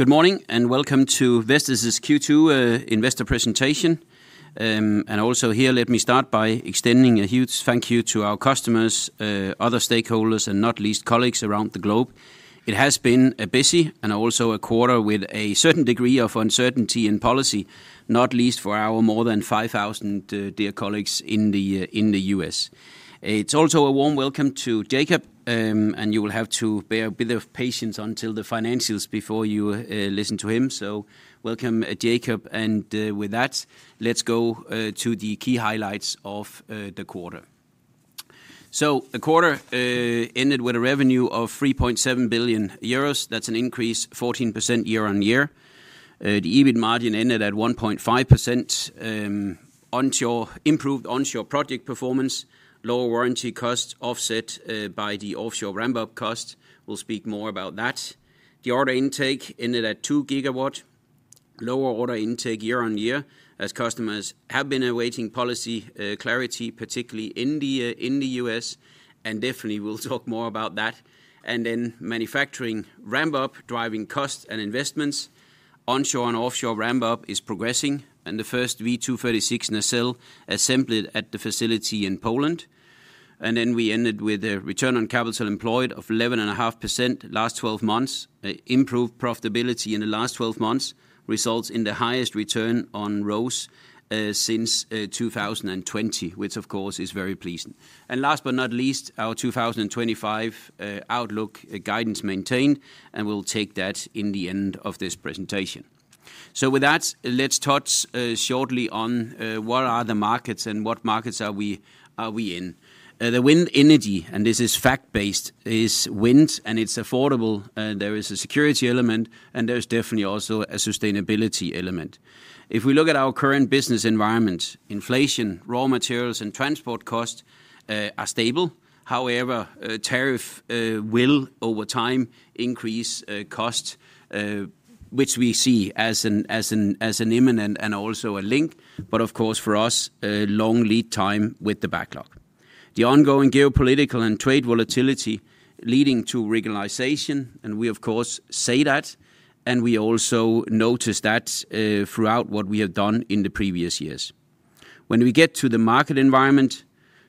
Good morning and welcome to Vestas's Q2 investor presentation. Let me start by extending a huge thank you to our customers, other stakeholders, and not least colleagues around the globe. It has been a busy and also a quarter with a certain degree of uncertainty in policy, not least for our more than 5,000 dear colleagues in the U.S. It's also a warm welcome to Jakob, and you will have to bear a bit of patience until the financials before you listen to him. Welcome, Jakob. With that, let's go to the key highlights of the quarter. The quarter ended with a revenue of 3.7 billion euros. That's an increase of 14% year on year. The EBIT margin ended at 1.5%. Improved onshore project performance and lower warranty cost were offset by the offshore ramp-up cost. We will speak more about that. The order intake ended at 2 GW. Lower order intake year on year as customers have been awaiting policy clarity, particularly in the U.S. We will talk more about that. Manufacturing ramp-up is driving costs and investments. Onshore and offshore ramp-up is progressing, and the first V236 nacelle assembled at the facility in Poland. We ended with a return on capital employed of 11.5% for the last 12 months. Improved profitability in the last 12 months results in the highest return on ROCE since 2020, which of course is very pleasing. Last but not least, our 2025 outlook guidance is maintained. We will take that at the end of this presentation. With that, let's touch shortly on what are the markets and what markets are we in. The wind energy, and this is fact-based, is wind and it's affordable. There is a security element and there's definitely also a sustainability element. If we look at our current business environment, inflation, raw materials, and transport costs are stable. However, tariff will over time increase costs, which we see as an imminent and also a link. For us, long lead time with the backlog. The ongoing geopolitical and trade volatility is leading to regionalization. We, of course, say that. We also notice that throughout what we have done in the previous years. When we get to the market environment,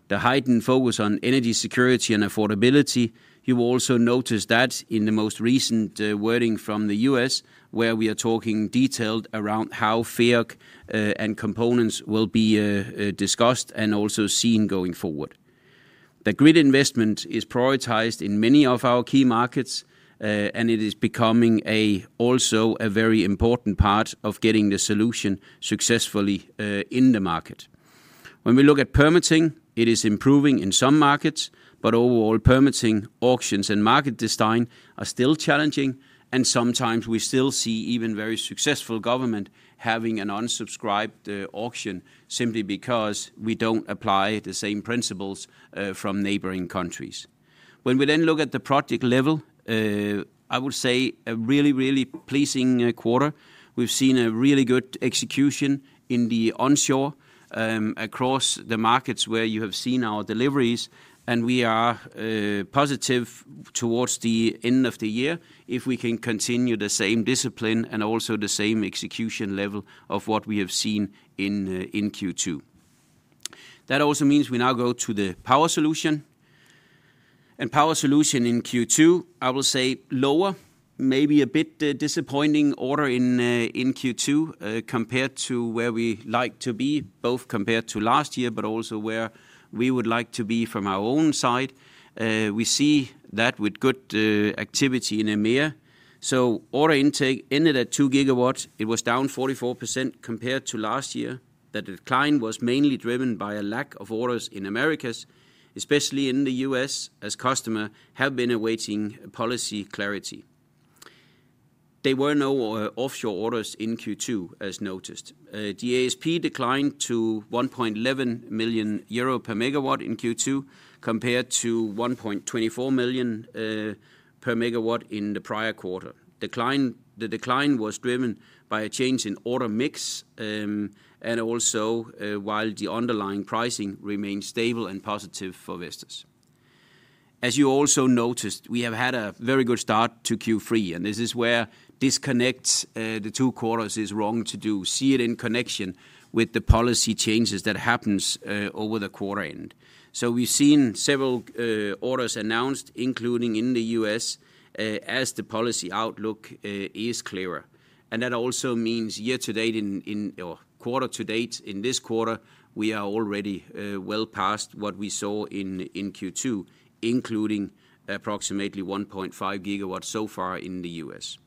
the heightened focus on energy security and affordability, you will also notice that in the most recent wording from the U.S., where we are talking detailed around how FEAC and components will be discussed and also seen going forward. The grid investment is prioritized in many of our key markets. It is becoming also a very important part of getting the solution successfully in the market. When we look at permitting, it is improving in some markets. However, overall, permitting, auctions, and market design are still challenging. Sometimes we still see even very successful government having an unsubscribed auction simply because we do not apply the same principles from neighboring countries. When we look at the project level, I would say a really, really pleasing quarter. We have seen a really good execution in the onshore across the markets where you have seen our deliveries. We are positive towards the end of the year if we can continue the same discipline and also the same execution level of what we have seen in Q2. That also means we now go to the Power Solutions. Power Solutions in Q2, I will say lower, maybe a bit disappointing order in Q2 compared to where we like to be, both compared to last year, but also where we would like to be from our own side. We see that with good activity in EMEA. Order intake ended at 2 GW. It was down 44% compared to last year. That decline was mainly driven by a lack of orders in Americas, especially in the U.S., as customers have been awaiting policy clarity. There were no offshore orders in Q2 as noticed. The ASP declined to 1.11 million euro per megawatt in Q2 compared to 1.24 million per megawatt in the prior quarter. The decline was driven by a change in order mix and also while the underlying pricing remains stable and positive for Vestas. As you also noticed, we have had a very good start to Q3. This is where disconnect the two quarters is wrong to do. See it in connection with the policy changes that happen over the quarter end. We have seen several orders announced, including in the U.S., as the policy outlook is clearer. That also means year to date or quarter to date in this quarter, we are already well past what we saw in Q2, including approximately 1.5 GW so far in the U.S.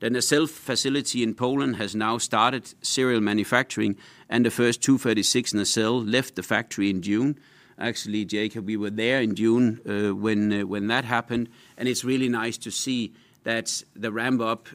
The nacelle facility in Poland has now started serial manufacturing. The first 236 nacelles left the factory in June. Actually, Jakob, we were there in June when that happened. It is really nice to see that the ramp-up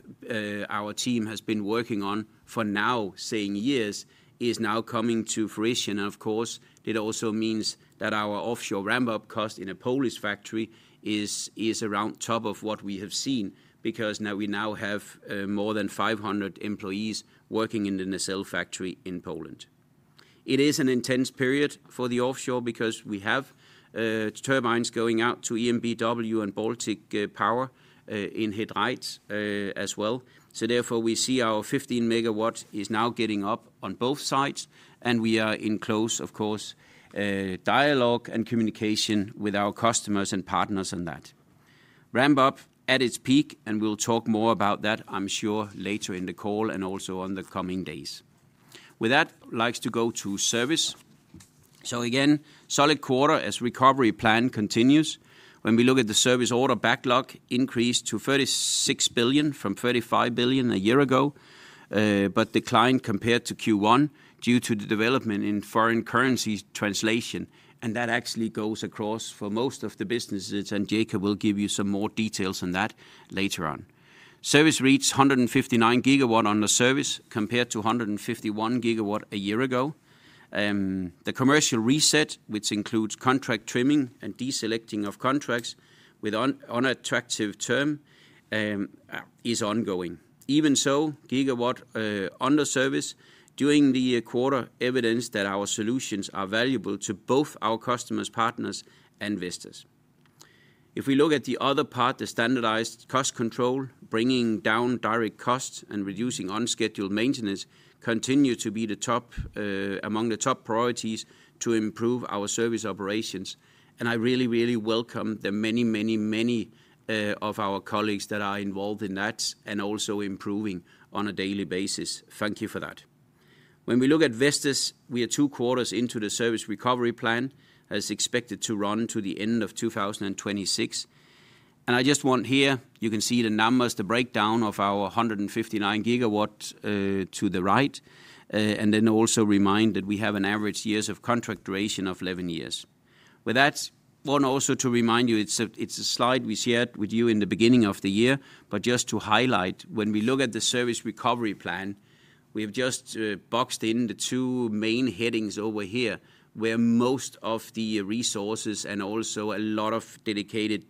our team has been working on for now, saying years, is now coming to fruition. Of course, it also means that our offshore ramp-up cost in a Polish factory is around top of what we have seen because we now have more than 500 employees working in the nacelle factory in Poland. It is an intense period for the offshore because we have turbines going out to EMBW and Baltic Power in [Hywind], as well. Therefore, we see our 15 MW is now getting up on both sides. We are in close, of course, dialogue and communication with our customers and partners on that. Ramp-up at its peak, and we'll talk more about that, I'm sure, later in the call and also in the coming days. With that, I'd like to go to service. Again, solid quarter as recovery plan continues. When we look at the service order backlog, increased to $36 billion from $35 billion a year ago, but declined compared to Q1 due to the development in foreign currency translation. That actually goes across for most of the businesses. Jakob will give you some more details on that later on. Service reads 159 GW on the service compared to 151 GW a year ago. The commercial reset, which includes contract trimming and deselecting of contracts with unattractive terms, is ongoing. Even so, gigawatts under service during the quarter evidence that our solutions are valuable to both our customers, partners, and investors. If we look at the other part, the standardized cost control, bringing down direct costs and reducing unscheduled maintenance continue to be among the top priorities to improve our service operations. I really, really welcome the many, many, many of our colleagues that are involved in that and also improving on a daily basis. Thank you for that. When we look at Vestas, we are two quarters into the service recovery plan as expected to run to the end of 2026. I just want here, you can see the numbers, the breakdown of our 159 GW to the right. Also, remind that we have an average years of contract duration of 11 years. With that, I want also to remind you, it's a slide we shared with you in the beginning of the year. Just to highlight, when we look at the service recovery plan, we have just boxed in the two main headings over here where most of the resources and also a lot of dedicated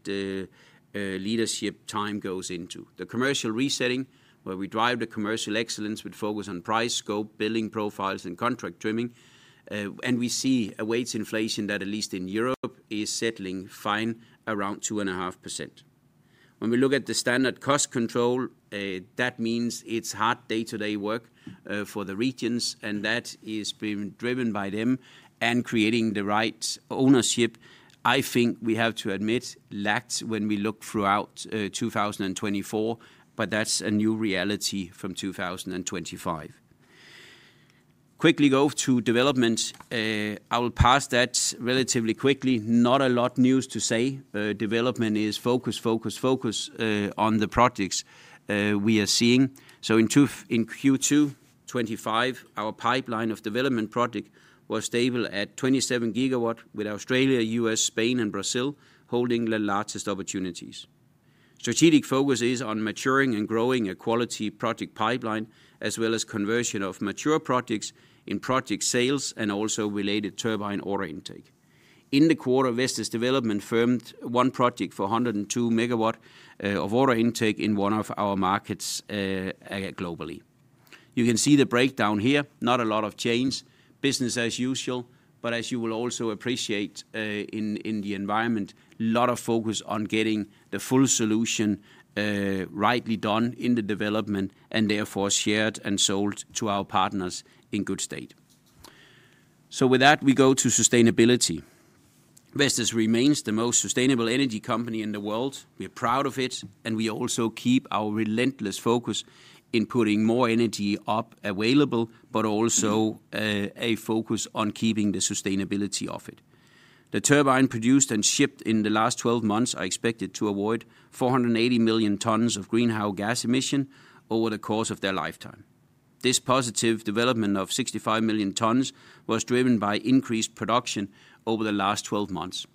leadership time goes into. The commercial resetting, where we drive the commercial excellence with focus on price, scope, billing profiles, and contract trimming. We see a wage inflation that at least in Europe is settling fine around 2.5%. When we look at the standard cost control, that means it's hard day-to-day work for the regions. That is being driven by them and creating the right ownership. I think we have to admit lacks when we look throughout 2024. That's a new reality from 2025. Quickly go to development. I will pass that relatively quickly. Not a lot of news to say. Development is focus, focus, focus on the projects we are seeing. In Q2 2025, our pipeline of development projects was stable at 27 GW with Australia, U.S., Spain, and Brazil holding the largest opportunities. Strategic focus is on maturing and growing a quality project pipeline as well as conversion of mature projects in project sales and also related turbine order intake. In the quarter, Vestas development firmed one project for 102 MW of order intake in one of our markets globally. You can see the breakdown here. Not a lot of change. Business as usual. You will also appreciate in the environment, a lot of focus on getting the full solution rightly done in the development and therefore shared and sold to our partners in good state. With that, we go to sustainability. Vestas remains the most sustainable energy company in the world. We are proud of it. We also keep our relentless focus in putting more energy up available, but also a focus on keeping the sustainability of it. The turbines produced and shipped in the last 12 months are expected to avoid 480 million tons of greenhouse gas emission over the course of their lifetime. This positive development of 65 million tons was driven by increased production over the last 12 months.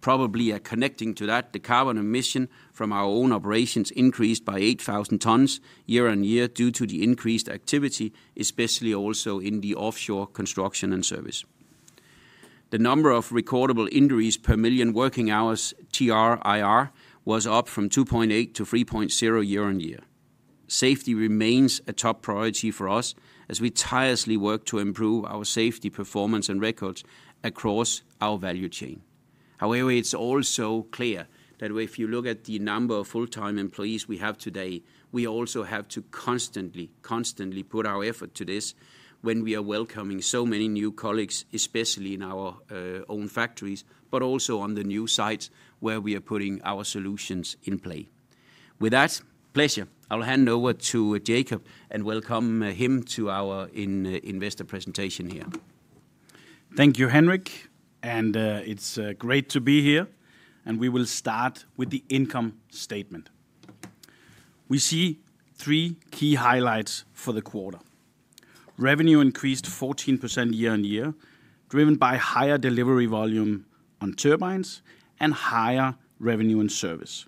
Probably connecting to that, the carbon emission from our own operations increased by 8,000 tons year on year due to the increased activity, especially also in the offshore construction and service. The number of recordable injuries per million working hours, TRIR, was up from 2.8-3.0 year on year. Safety remains a top priority for us as we tirelessly work to improve our safety performance and records across our value chain. It is also clear that if you look at the number of full-time employees we have today, we also have to constantly, constantly put our effort to this when we are welcoming so many new colleagues, especially in our own factories, but also on the new sites where we are putting our solutions in play. With that pleasure, I'll hand over to Jakob and welcome him to our investor presentation here. Thank you, Henrik. It's great to be here. We will start with the income statement. We see three key highlights for the quarter. Revenue increased 14% year on year, driven by higher delivery volume on turbines and higher revenue in service.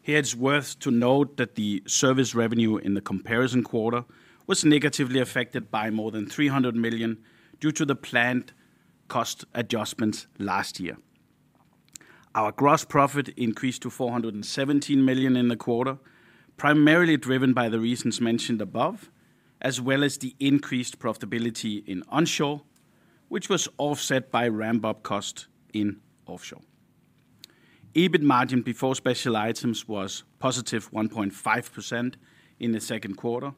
Here, it's worth to note that the service revenue in the comparison quarter was negatively affected by more than $300 million due to the planned cost adjustments last year. Our gross profit increased to $417 million in the quarter, primarily driven by the reasons mentioned above, as well as the increased profitability in onshore, which was offset by ramp-up costs in offshore. EBIT margin before special items was positive 1.5% in the second quarter.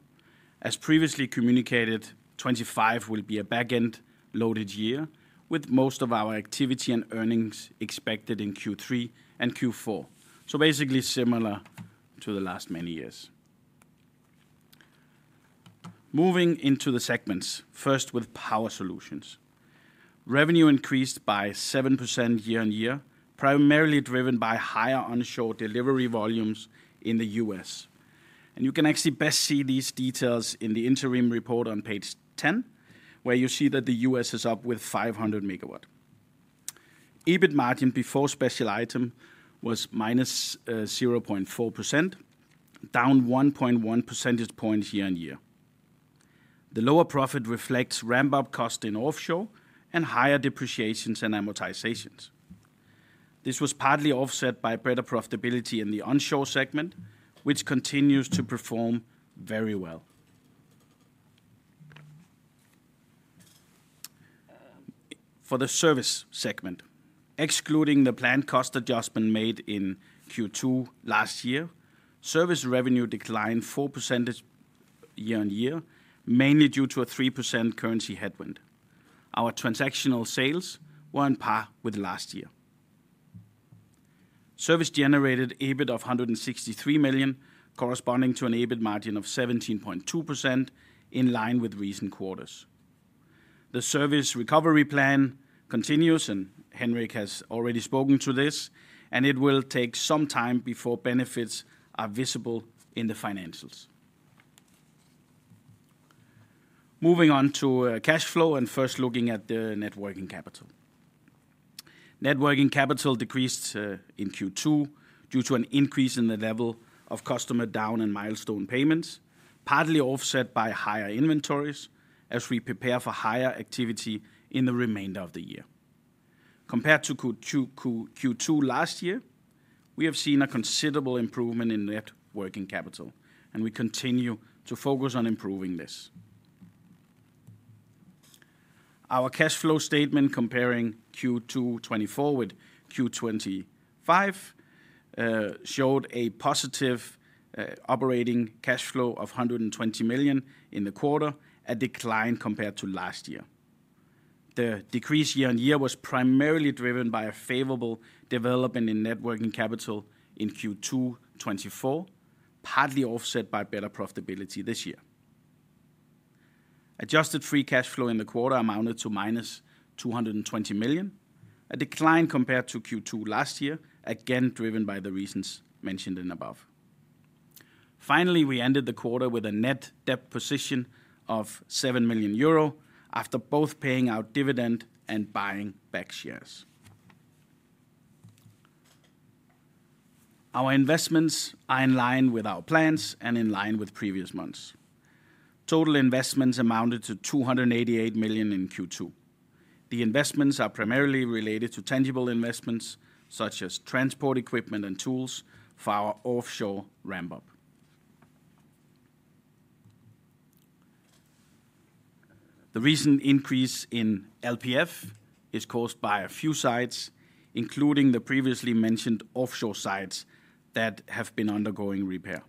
As previously communicated, 2025 will be a backend loaded year with most of our activity and earnings expected in Q3 and Q4, basically similar to the last many years. Moving into the segments, first with Power Solutions. Revenue increased by 7% year on year, primarily driven by higher onshore delivery volumes in the U.S. You can actually best see these details in the interim report on page 10, where you see that the U.S. is up with 500 MW. EBIT margin before special item was -0.4%, down 1.1 percentage points year on year. The lower profit reflects ramp-up costs in offshore and higher depreciations and amortizations. This was partly offset by better profitability in the onshore segment, which continues to perform very well. For the Service segment, excluding the planned cost adjustment made in Q2 last year, service revenue declined 4% year on year, mainly due to a 3% currency headwind. Our transactional sales were on par with last year. Service generated EBIT of $163 million, corresponding to an EBIT margin of 17.2% in line with recent quarters. The service recovery plan continues, and Henrik has already spoken to this, and it will take some time before benefits are visible in the financials. Moving on to cash flow and first looking at the net working capital. Net working capital decreased in Q2 due to an increase in the level of customer down and milestone payments, partly offset by higher inventories as we prepare for higher activity in the remainder of the year. Compared to Q2 last year, we have seen a considerable improvement in net working capital. We continue to focus on improving this. Our cash flow statement comparing Q2 2024 with Q2 2025 showed a positive operating cash flow of $120 million in the quarter, a decline compared to last year. The decrease year on year was primarily driven by a favorable development in net working capital in Q2 2024, partly offset by better profitability this year. Adjusted free cash flow in the quarter amounted to -220 million, a decline compared to Q2 last year, again driven by the reasons mentioned above. Finally, we ended the quarter with a net debt position of 7 million euro after both paying out dividend and buying back shares. Our investments are in line with our plans and in line with previous months. Total investments amounted to 288 million in Q2. The investments are primarily related to tangible investments such as transport equipment and tools for our offshore ramp-up. The recent increase in LPF is caused by a few sites, including the previously mentioned offshore sites that have been undergoing repair.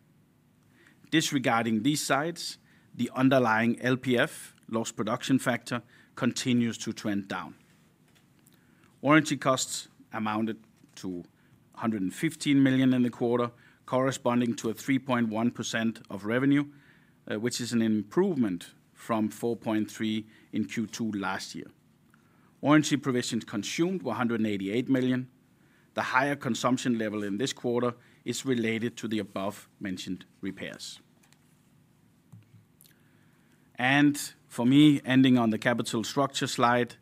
Disregarding these sites, the underlying LPF, lost production factor, continues to trend down. Warranty costs amounted to 115 million in the quarter, corresponding to 3.1% of revenue, which is an improvement from 4.3% in Q2 last year. Warranty provisions consumed were 188 million. The higher consumption level in this quarter is related to the above-mentioned repairs. For me, ending on the capital structure slide,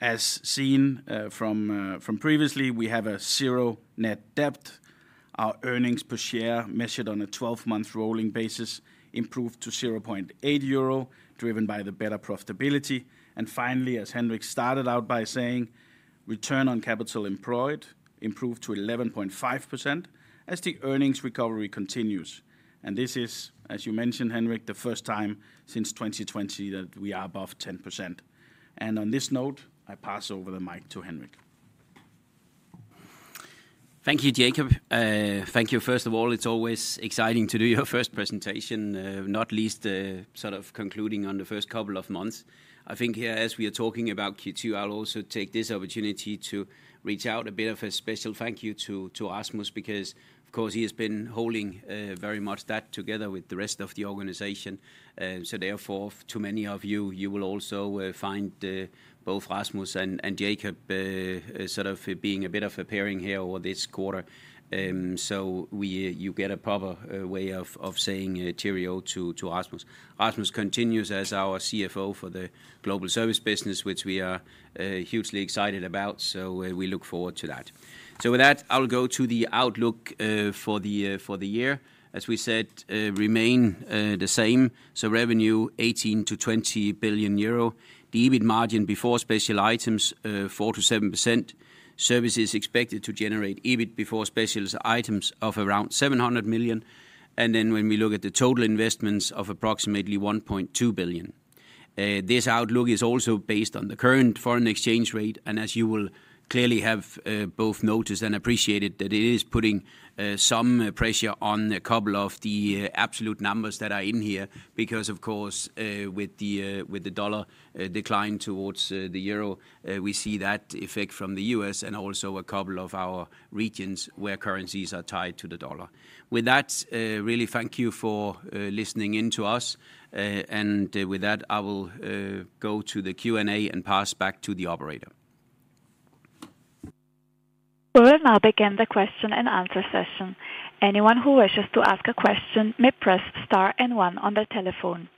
as seen from previously, we have a zero net debt. Our earnings per share measured on a 12-month rolling basis improved to 0.8 euro, driven by the better profitability. Finally, as Henrik started out by saying, return on capital employed improved to 11.5% as the earnings recovery continues. This is, as you mentioned, Henrik, the first time since 2020 that we are above 10%. On this note, I pass over the mic to Henrik. Thank you, Jakob. Thank you, first of all. It's always exciting to do your first presentation, not least sort of concluding on the first couple of months. I think here, as we are talking about Q2, I'll also take this opportunity to reach out a bit of a special thank you to Rasmus because, of course, he has been holding very much that together with the rest of the organization. Therefore, to many of you, you will also find both Rasmus and Jakob sort of being a bit of a pairing here over this quarter. You get a proper way of saying cheerio to Rasmus. Rasmus continues as our CFO for the global service business, which we are hugely excited about. We look forward to that. With that, I'll go to the outlook for the year. As we said, remain the same. Revenue 18 billion-20 billion euro. The EBIT margin before special items 4%-7%. Services expected to generate EBIT before special items of around 700 million. When we look at the total investments of approximately 1.2 billion. This outlook is also based on the current foreign exchange rate. As you will clearly have both noticed and appreciated, it is putting some pressure on a couple of the absolute numbers that are in here because, of course, with the dollar declining towards the euro, we see that effect from the U.S. and also a couple of our regions where currencies are tied to the dollar. With that, really thank you for listening in to us. With that, I will go to the Q&A and pass back to the operator. We will now begin the question and answer session. Anyone who wishes to ask a question may press star and one on their telephone.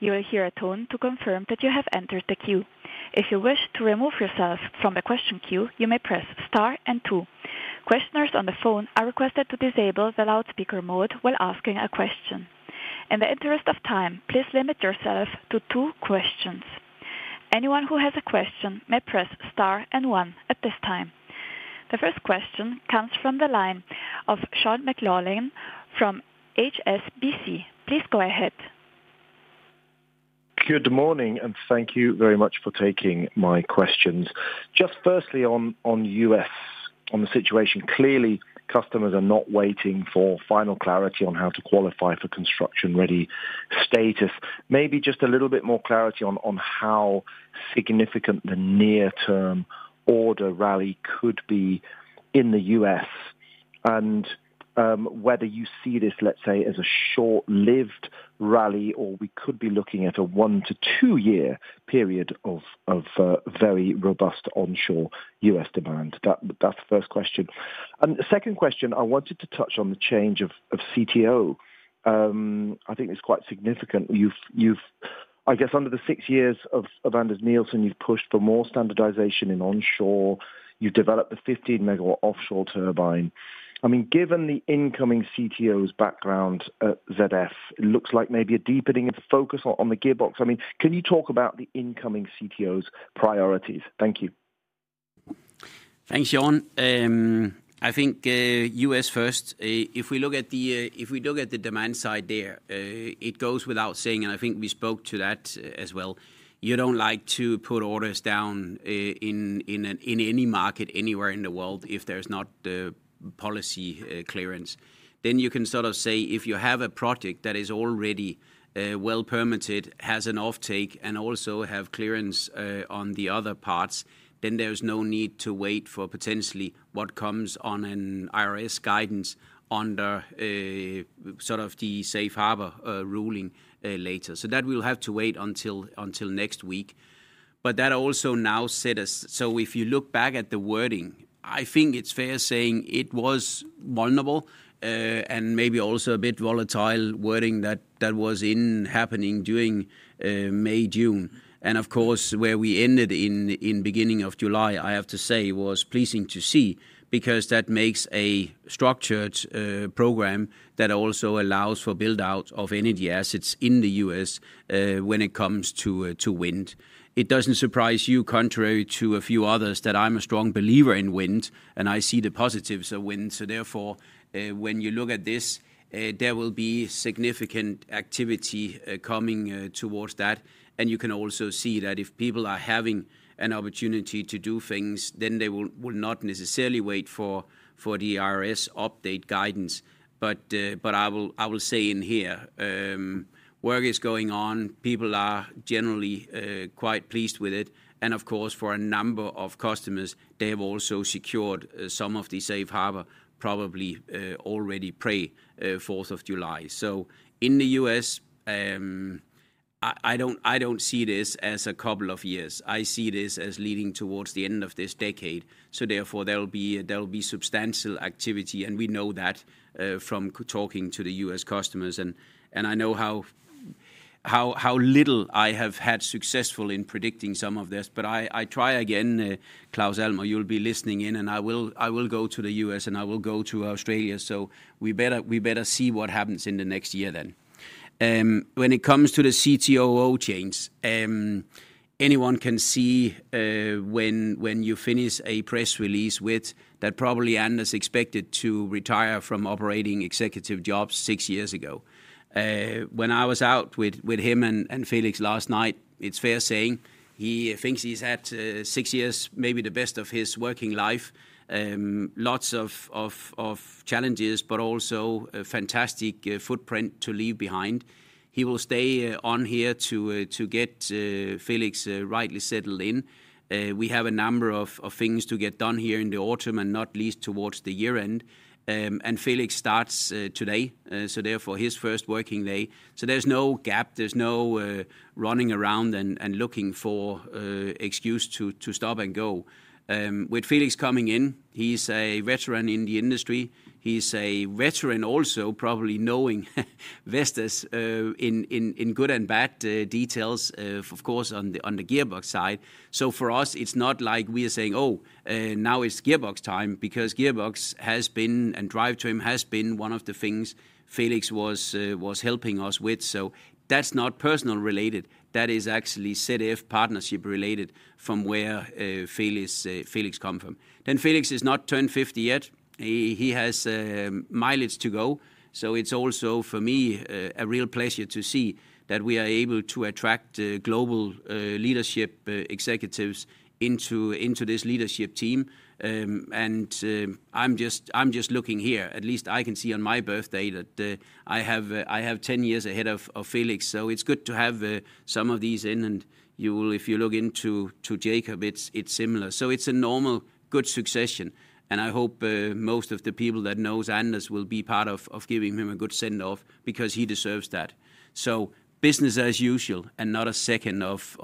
You will hear a tone to confirm that you have entered the queue. If you wish to remove yourself from the question queue, you may press star and two. Questioners on the phone are requested to disable the loudspeaker mode while asking a question. In the interest of time, please limit yourself to two questions. Anyone who has a question may press star and one at this time. The first question comes from the line of Sean McLoughlin from HSBC. Please go ahead. Good morning, and thank you very much for taking my questions. Firstly, on the U.S., on the situation, clearly, customers are not waiting for final clarity on how to qualify for construction-ready status. Maybe just a little bit more clarity on how significant the near-term order rally could be in the U.S., and whether you see this, let's say, as a short-lived rally or we could be looking at a one to two-year period of very robust onshore U.S. demand. That's the first question. The second question, I wanted to touch on the change of CTO. I think it's quite significant. I guess under the six years of Anders Nielsen, you've pushed for more standardization in onshore. You've developed a 15 MW offshore turbine. Given the incoming CTO's background at ZF, it looks like maybe a deepening of the focus on the gearbox. Can you talk about the incoming CTO's priorities? Thank you. Thanks, Sean. I think U.S. first. If we look at the demand side there, it goes without saying, and I think we spoke to that as well, you don't like to put orders down in any market anywhere in the world if there's not the policy clearance. You can sort of say if you have a project that is already well permitted, has an offtake, and also has clearance on the other parts, then there's no need to wait for potentially what comes on an IRS guidance under the Safe Harbor ruling later. That we'll have to wait until next week. That also now set us. If you look back at the wording, I think it's fair saying it was vulnerable and maybe also a bit volatile wording that was happening during May, June. Where we ended in the beginning of July, I have to say, was pleasing to see because that makes a structured program that also allows for build-out of energy assets in the U.S. when it comes to wind. It doesn't surprise you, contrary to a few others, that I'm a strong believer in wind and I see the positives of wind. Therefore, when you look at this, there will be significant activity coming towards that. You can also see that if people are having an opportunity to do things, they will not necessarily wait for the IRS update guidance. I will say in here, work is going on. People are generally quite pleased with it. For a number of customers, they have also secured some of the Safe Harbor, probably already pre-4th of July. In the U.S., I don't see this as a couple of years. I see this as leading towards the end of this decade. Therefore, there will be substantial activity. We know that from talking to the U.S. customers. I know how little I have had successful in predicting some of this. I try again, Claus Almer, you'll be listening in. I will go to the U.S. and I will go to Australia. We better see what happens in the next year then. When it comes to the CTO chain, anyone can see when you finish a press release with that probably Anders expected to retire from operating executive jobs six years ago. When I was out with him and Felix last night, it's fair saying he thinks he's had six years, maybe the best of his working life, lots of challenges, but also a fantastic footprint to leave behind. He will stay on here to get Felix rightly settled in. We have a number of things to get done here in the autumn and not least towards the year-end. Felix starts today. Therefore, his first working day. There's no gap. There's no running around and looking for excuse to stop and go. With Felix coming in, he's a veteran in the industry. He's a veteran also probably knowing Vestas in good and bad details, of course, on the gearbox side. For us, it's not like we are saying, oh, now it's gearbox time because gearbox has been and drive train has been one of the things Felix was helping us with. That's not personal related. That is actually ZF partnership related from where Felix comes from. Felix has not turned 50 yet. He has mileage to go. It's also, for me, a real pleasure to see that we are able to attract global leadership executives into this leadership team. I'm just looking here. At least I can see on my birthday that I have 10 years ahead of Felix. It's good to have some of these in. If you look into Jakob, it's similar. It's a normal, good succession. I hope most of the people that know Anders will be part of giving him a good send-off because he deserves that. Business as usual and not a second of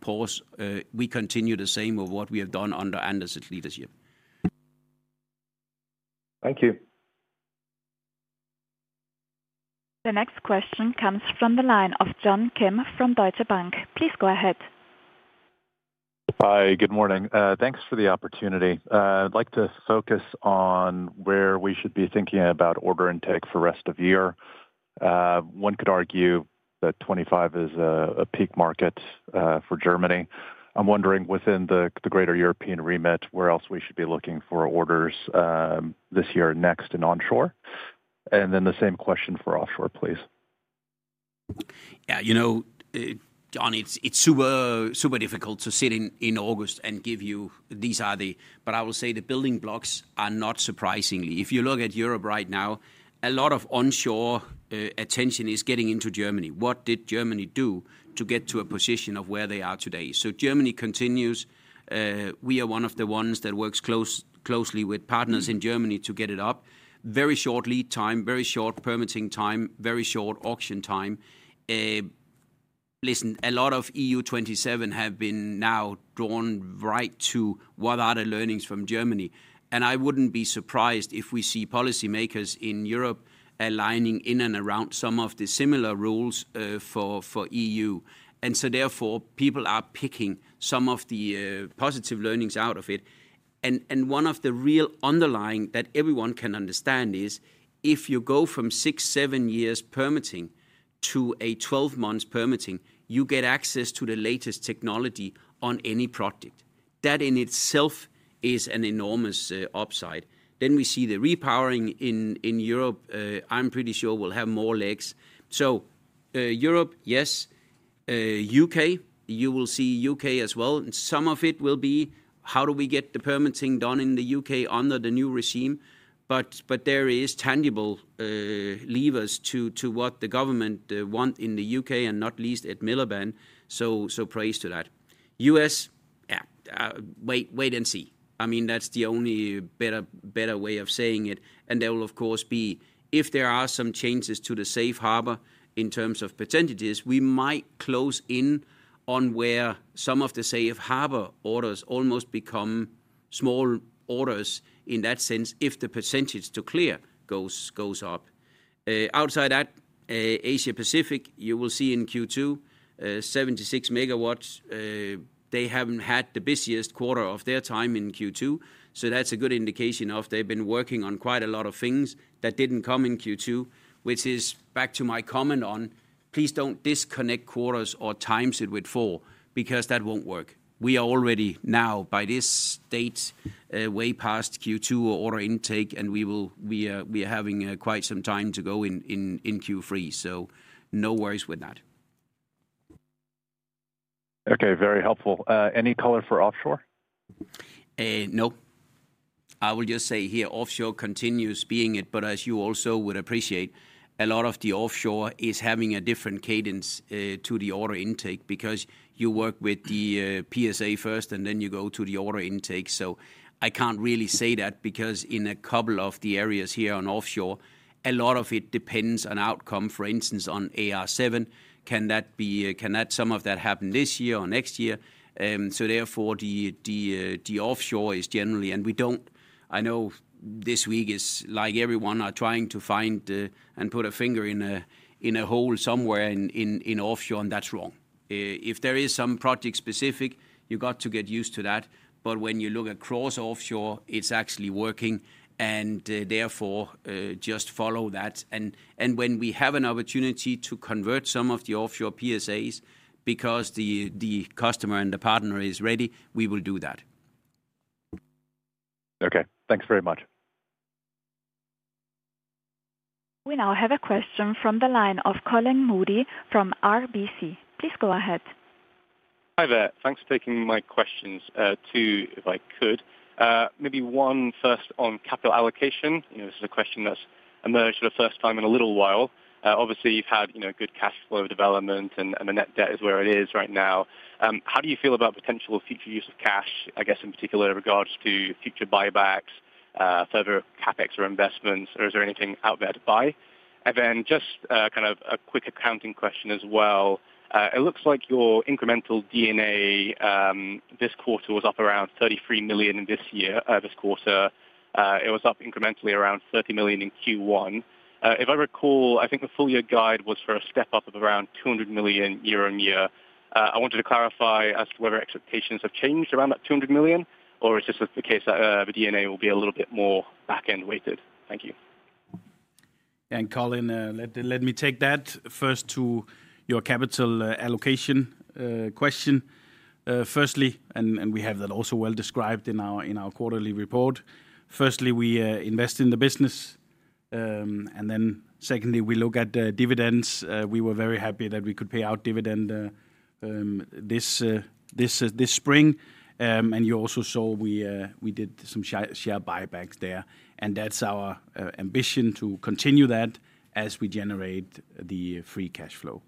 pause. We continue the same with what we have done under Anders's leadership. Thank you. The next question comes from the line of John Kim from Deutsche Bank. Please go ahead. Hi, good morning. Thanks for the opportunity. I'd like to focus on where we should be thinking about order intake for the rest of the year. One could argue that 2025 is a peak market for Germany. I'm wondering, within the greater European remit, where else we should be looking for orders this year or next in onshore? The same question for offshore, please. Yeah, you know, John, it's super difficult to sit in August and give you these are the, but I will say the building blocks are not surprisingly. If you look at Europe right now, a lot of onshore attention is getting into Germany. What did Germany do to get to a position of where they are today? Germany continues. We are one of the ones that works closely with partners in Germany to get it up. Very short lead time, very short permitting time, very short auction time. Listen, a lot of EU 27 have been now drawn right to what are the learnings from Germany. I wouldn't be surprised if we see policymakers in Europe aligning in and around some of the similar rules for EU. Therefore, people are picking some of the positive learnings out of it. One of the real underlying that everyone can understand is if you go from six, seven years permitting to a 12 months permitting, you get access to the latest technology on any project. That in itself is an enormous upside. We see the repowering in Europe. I'm pretty sure we'll have more legs. Europe, yes. U..K, you will see U.K. as well. Some of it will be how do we get the permitting done in the U.K. under the new regime. There are tangible levers to what the government wants in the U.K. and not least at Miliband. Praise to that. U.S., yeah, wait and see. I mean, that's the only better way of saying it. There will, of course, be, if there are some changes to the Safe Harbor in terms of %, we might close in on where some of the Safe Harbor orders almost become small orders in that sense if the % to clear goes up. Outside that, Asia Pacific, you will see in Q2 76 megawatts. They haven't had the busiest quarter of their time in Q2. That's a good indication of they've been working on quite a lot of things that didn't come in Q2, which is back to my comment on please don't disconnect quarters or times it with four because that won't work. We are already now by this date way past Q2 order intake. We are having quite some time to go in Q3. No worries with that. Okay, very helpful. Any color for offshore? Nope. I will just say here, offshore continues being it. As you also would appreciate, a lot of the offshore is having a different cadence to the order intake because you work with the PSA first and then you go to the order intake. I can't really say that because in a couple of the areas here on offshore, a lot of it depends on outcome. For instance, on AR7. Can some of that happen this year or next year? Therefore, the offshore is generally, and we don't, I know this week is like everyone is trying to find and put a finger in a hole somewhere in offshore, and that's wrong. If there is some project specific, you've got to get used to that. When you look across offshore, it's actually working. Therefore, just follow that. When we have an opportunity to convert some of the offshore PSAs because the customer and the partner is ready, we will do that. Okay, thanks very much. We now have a question from the line of Colin Moody from RBC Capital. Please go ahead. Hi there. Thanks for taking my questions too, if I could. Maybe one first on capital allocation. This is a question that's emerged for the first time in a little while. Obviously, you've had good cash flow development and the net debt is where it is right now. How do you feel about the potential future use of cash, I guess in particular in regards to future buybacks, further CapEx or investments? Is there anything out there to buy? Just kind of a quick accounting question as well. It looks like your incremental D&A this quarter was up around $33 million in this quarter. It was up incrementally around $30 million in Q1. If I recall, I think the full year guide was for a step up of around 200 million year on year. I wanted to clarify as to whether expectations have changed around that 200 million or is this the case that the D&A will be a little bit more backend weighted? Thank you. Yeah, and Colin, let me take that first to your capital allocation question. Firstly, we have that also well described in our quarterly report. Firstly, we invest in the business. Then we look at dividends. We were very happy that we could pay out dividend this spring. You also saw we did some share buybacks there. That's our ambition to continue that as we generate the free cash flow.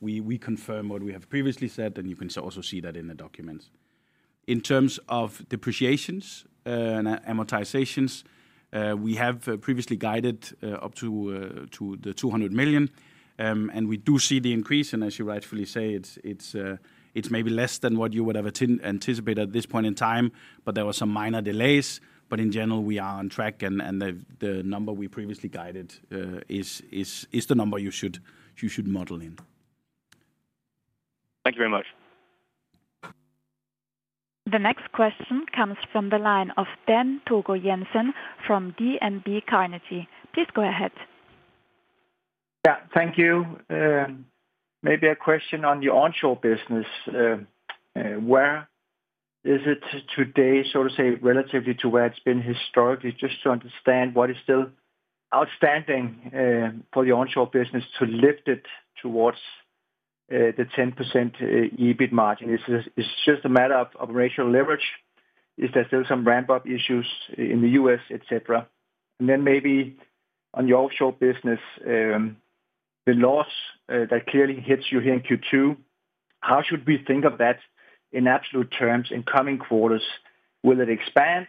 We confirm what we have previously said. You can also see that in the documents. In terms of depreciations and amortizations, we have previously guided up to 200 million. We do see the increase. As you rightfully say, it's maybe less than what you would have anticipated at this point in time. There were some minor delays. In general, we are on track. The number we previously guided is the number you should model in. Thank you very much. The next question comes from the line of Dan Togo Jensen from DNB Carnegie. Please go ahead. Yeah, thank you. Maybe a question on the onshore business. Where is it today, so to say, relatively to where it's been historically, just to understand what is still outstanding for the onshore business to lift it towards the 10% EBIT margin? Is it just a matter of operational leverage? Is there still some ramp-up issues in the U.S., etc? Maybe on the offshore business, the loss that clearly hits you here in Q2, how should we think of that in absolute terms in coming quarters? Will it expand?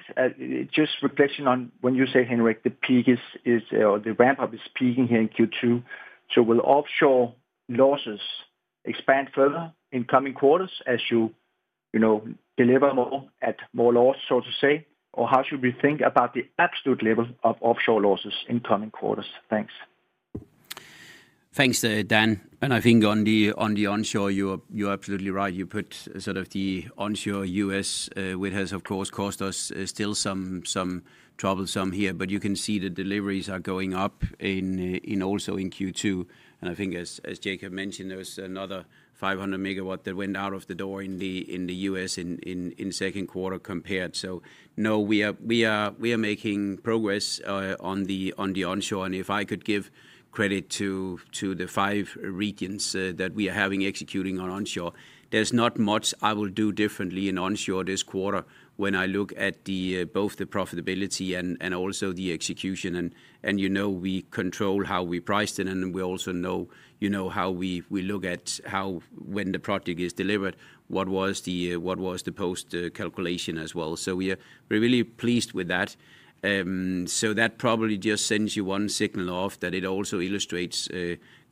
Just reflecting on when you say, Henrik, the peak is or the ramp-up is peaking here in Q2. Will offshore losses expand further in coming quarters as you deliver more at more loss, so to say? How should we think about the absolute level of offshore losses in coming quarters? Thanks. Thanks, Dan. I think on the onshore, you're absolutely right. You put sort of the onshore U.S., which has, of course, cost us still some troublesome here. You can see the deliveries are going up also in Q2. I think, as Jakob mentioned, there was another 500 MW that went out of the door in the U.S. in the second quarter compared. No, we are making progress on the onshore. If I could give credit to the five regions that we are having executing on onshore, there's not much I will do differently in onshore this quarter when I look at both the profitability and also the execution. You know we control how we priced it. We also know how we look at when the project is delivered, what was the post-calculation as well. We are really pleased with that. That probably just sends you one signal off that it also illustrates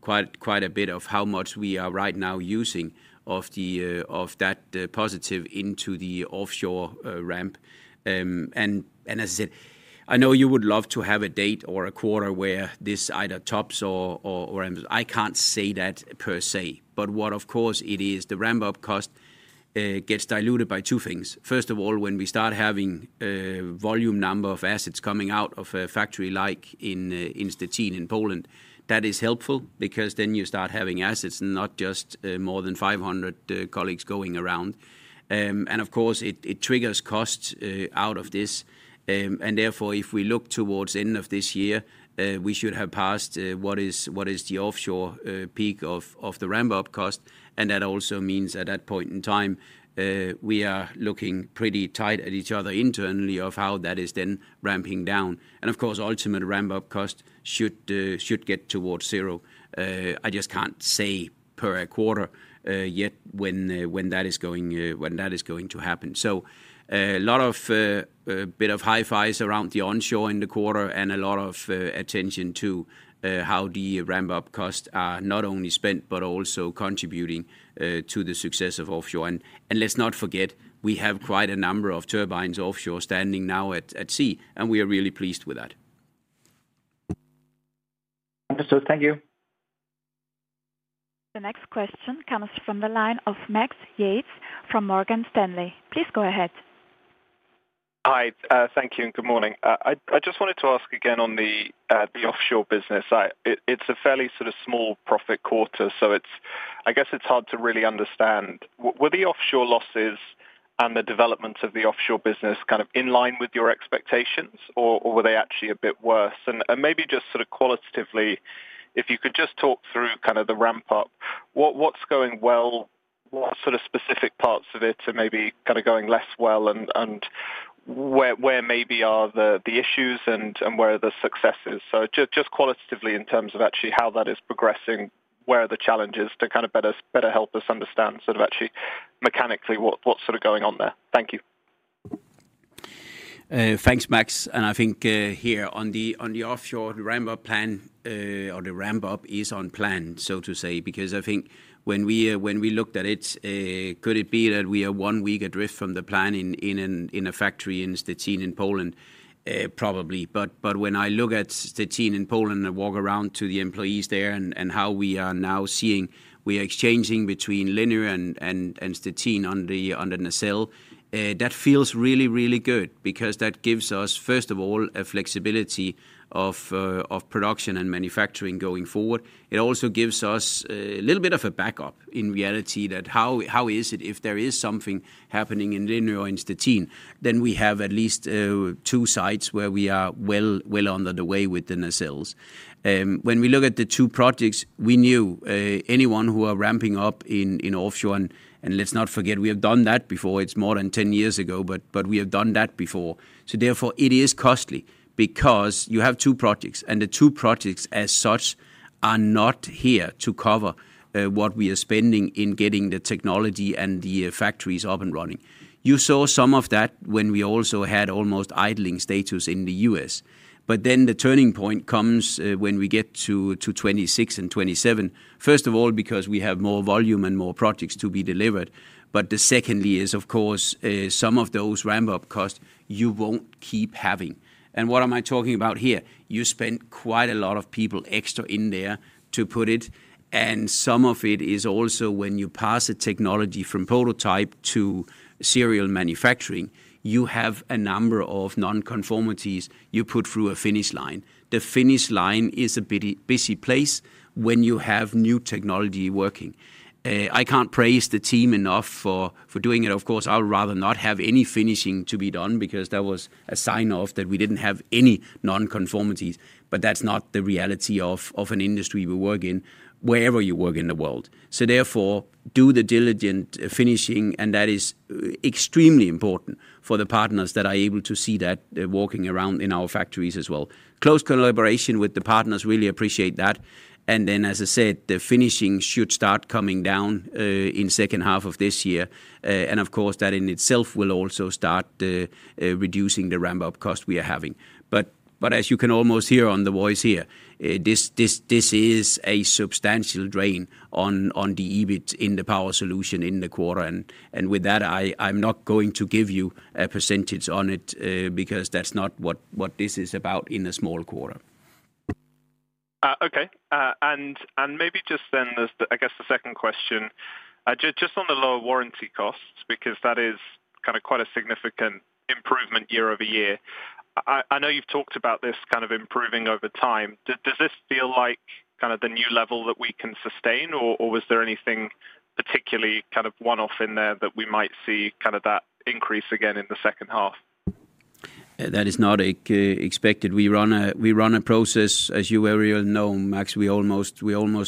quite a bit of how much we are right now using of that positive into the offshore ramp. As I said, I know you would love to have a date or a quarter where this either tops or ramps. I can't say that per se. What, of course, it is, the ramp-up cost gets diluted by two things. First of all, when we start having a volume number of assets coming out of a factory like in Stettin in Poland, that is helpful because then you start having assets and not just more than 500 colleagues going around. It triggers costs out of this. Therefore, if we look towards the end of this year, we should have passed what is the offshore peak of the ramp-up cost. That also means at that point in time, we are looking pretty tight at each other internally of how that is then ramping down. Ultimate ramp-up cost should get towards zero. I just can't say per quarter yet when that is going to happen. A lot of a bit of high fives around the onshore in the quarter and a lot of attention to how the ramp-up costs are not only spent, but also contributing to the success of offshore. Let's not forget, we have quite a number of turbines offshore standing now at sea. We are really pleased with that. Understood. Thank you. The next question comes from the line of Max Yates from Morgan Stanley. Please go ahead. Hi. Thank you. Good morning. I just wanted to ask again on the offshore business. It's a fairly sort of small profit quarter. I guess it's hard to really understand. Were the offshore losses and the development of the offshore business kind of in line with your expectations? Or were they actually a bit worse? Maybe just sort of qualitatively, if you could just talk through kind of the ramp-up, what's going well? What sort of specific parts of it are maybe kind of going less well? Where maybe are the issues and where are the successes? Just qualitatively in terms of actually how that is progressing, where are the challenges to kind of better help us understand sort of actually mechanically what's sort of going on there. Thank you. Thanks, Max. I think here on the offshore, the ramp-up plan or the ramp-up is on plan, so to say, because I think when we looked at it, could it be that we are one week adrift from the planning in a factory in Stettin in Poland? Probably. When I look at Stettin in Poland and walk around to the employees there and how we are now seeing, we are exchanging between Lindø and Stettin under the nacelle. That feels really, really good because that gives us, first of all, a flexibility of production and manufacturing going forward. It also gives us a little bit of a backup in reality that how is it if there is something happening in Lindø or in Stettin? We have at least two sites where we are well under the way with the nacelles. When we look at the two projects, we knew anyone who was ramping up in offshore, and let's not forget, we have done that before. It's more than 10 years ago, but we have done that before. Therefore, it is costly because you have two projects. The two projects as such are not here to cover what we are spending in getting the technology and the factories up and running. You saw some of that when we also had almost idling status in the U.S. The turning point comes when we get to 2026 and 2027, first of all, because we have more volume and more projects to be delivered. The second is, of course, some of those ramp-up costs you won't keep having. What am I talking about here? You spent quite a lot of people extra in there to put it. Some of it is also when you pass a technology from prototype to serial manufacturing, you have a number of nonconformities you put through a finish line. The finish line is a busy place when you have new technology working. I can't praise the team enough for doing it. Of course, I would rather not have any finishing to be done because that was a sign-off that we didn't have any nonconformities. That's not the reality of an industry we work in, wherever you work in the world. Therefore, do the diligent finishing. That is extremely important for the partners that are able to see that walking around in our factories as well. Close collaboration with the partners really appreciate that. As I said, the finishing should start coming down in the second half of this year. That in itself will also start reducing the ramp-up cost we are having. As you can almost hear on the voice here, this is a substantial drain on the EBIT in the Power Solutions in the quarter. With that, I'm not going to give you a percentage on it because that's not what this is about in a small quarter. Okay. Maybe just then, I guess the second question, just on the lower warranty costs, because that is kind of quite a significant improvement year-over-year. I know you've talked about this kind of improving over time. Does this feel like kind of the new level that we can sustain? Was there anything particularly kind of one-off in there that we might see kind of that increase again in the second half? That is not expected. We run a process, as you well know, Max. We almost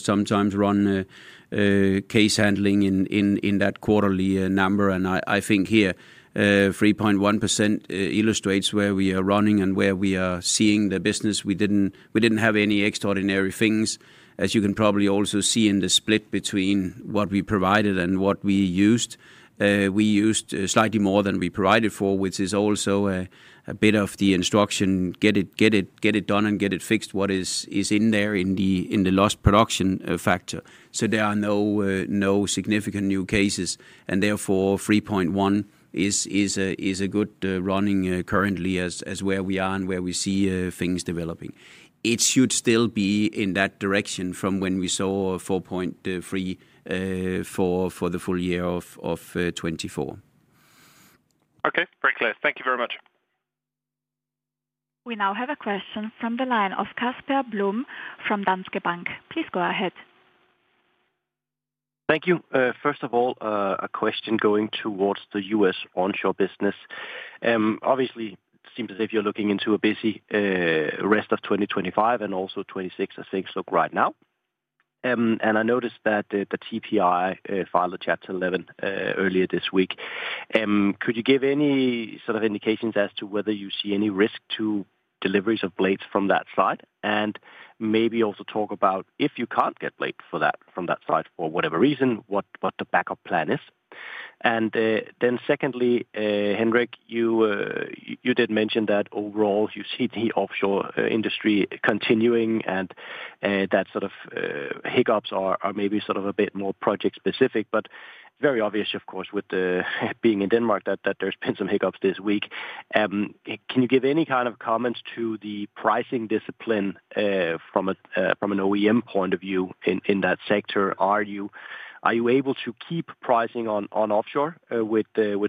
sometimes run case handling in that quarterly number. I think here 3.1% illustrates where we are running and where we are seeing the business. We didn't have any extraordinary things, as you can probably also see in the split between what we provided and what we used. We used slightly more than we provided for, which is also a bit of the instruction, get it done and get it fixed, what is in there in the lost production factor. There are no significant new cases. Therefore, 3.1% is a good running currently as where we are and where we see things developing. It should still be in that direction from when we saw 4.3 for the full year of 2024. Okay, very clear. Thank you very much. We now have a question from the line of Casper Blom from Danske Bank. Please go ahead. Thank you. First of all, a question going towards the U.S. onshore business. Obviously, it seems as if you're looking into a busy rest of 2025 and also 2026, I think, look right now. I noticed that TPI filed a Chapter 11 earlier this week. Could you give any sort of indications as to whether you see any risk to deliveries of blades from that side? Maybe also talk about if you can't get blades from that side for whatever reason, what the backup plan is. Secondly, Henrik, you did mention that overall you see the offshore industry continuing. That sort of hiccups are maybe sort of a bit more project specific. It's very obvious, of course, with being in Denmark, that there's been some hiccups this week. Can you give any kind of comments to the pricing discipline from an OEM point of view in that sector? Are you able to keep pricing on offshore with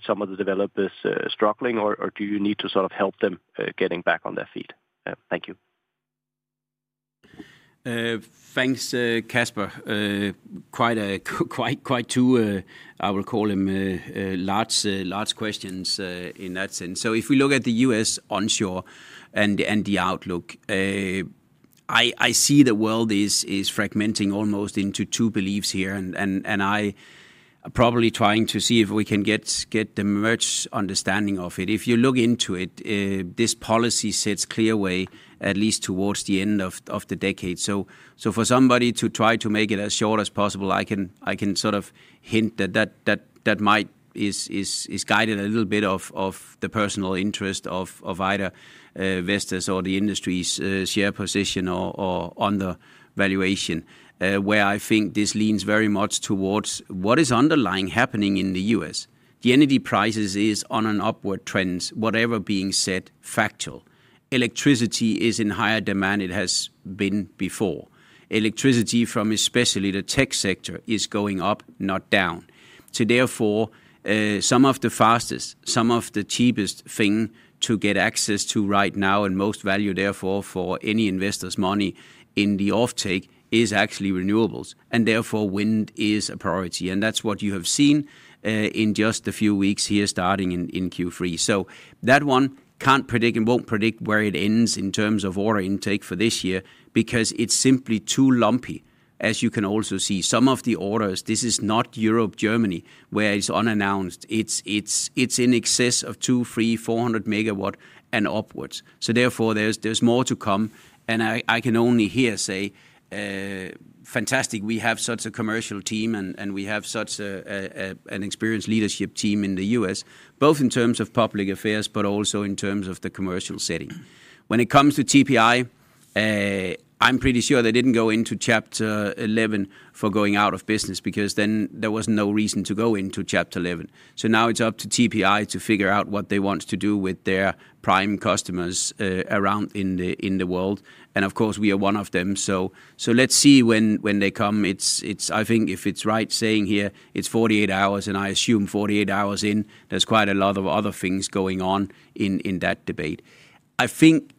some of the developers struggling? Do you need to sort of help them getting back on their feet? Thank you. Thanks, Casper. Quite two, I will call them, large questions in that sense. If we look at the U.S. onshore and the outlook, I see the world is fragmenting almost into two beliefs here. I'm probably trying to see if we can get the merged understanding of it. If you look into it, this policy sets clear way, at least towards the end of the decade. For somebody to try to make it as short as possible, I can sort of hint that that might is guided a little bit of the personal interest of either Vestas or the industry's share position or undervaluation, where I think this leans very much towards what is underlying happening in the U.S. The energy prices are on an upward trend, whatever being said, factual. Electricity is in higher demand than it has been before. Electricity from especially the tech sector is going up, not down. Therefore, some of the fastest, some of the cheapest thing to get access to right now and most value, therefore, for any investor's money in the offtake is actually renewables. Therefore, wind is a priority. That's what you have seen in just a few weeks here starting in Q3. That one can't predict and won't predict where it ends in terms of order intake for this year because it's simply too lumpy. As you can also see, some of the orders, this is not Europe, Germany, where it's unannounced. It's in excess of 200, 300, 400 MW and upwards. Therefore, there's more to come. I can only here say, fantastic, we have such a commercial team and we have such an experienced leadership team in the U.S., both in terms of public affairs, but also in terms of the commercial setting. When it comes to TPI, I'm pretty sure they didn't go into chapter 11 for going out of business because then there was no reason to go into chapter 11. Now it's up to TPI to figure out what they want to do with their prime customers around in the world. Of course, we are one of them. Let's see when they come. I think if it's right saying here it's 48 hours, and I assume 48 hours in, there's quite a lot of other things going on in that debate. I think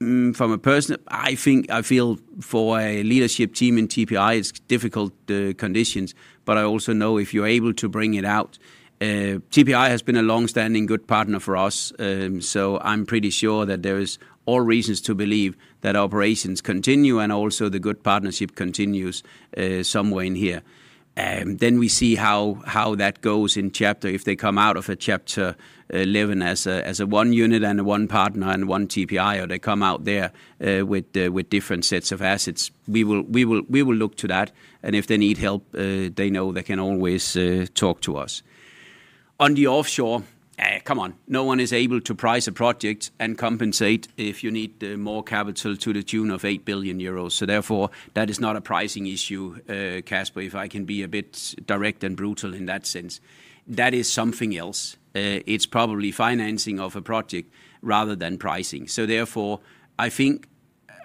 from a person, I feel for a leadership team in TPI, it's difficult conditions. I also know if you're able to bring it out, TPI has been a longstanding good partner for us. I'm pretty sure that there are all reasons to believe that operations continue and also the good partnership continues somewhere in here. We see how that goes in chapter if they come out of a Chapter 11 as one unit and one partner and one TPI, or they come out there with different sets of assets. We will look to that. If they need help, they know they can always talk to us. On the offshore, come on, no one is able to price a project and compensate if you need more capital to the tune of 8 billion euros. Therefore, that is not a pricing issue, Casper, if I can be a bit direct and brutal in that sense. That is something else. It's probably financing of a project rather than pricing. I think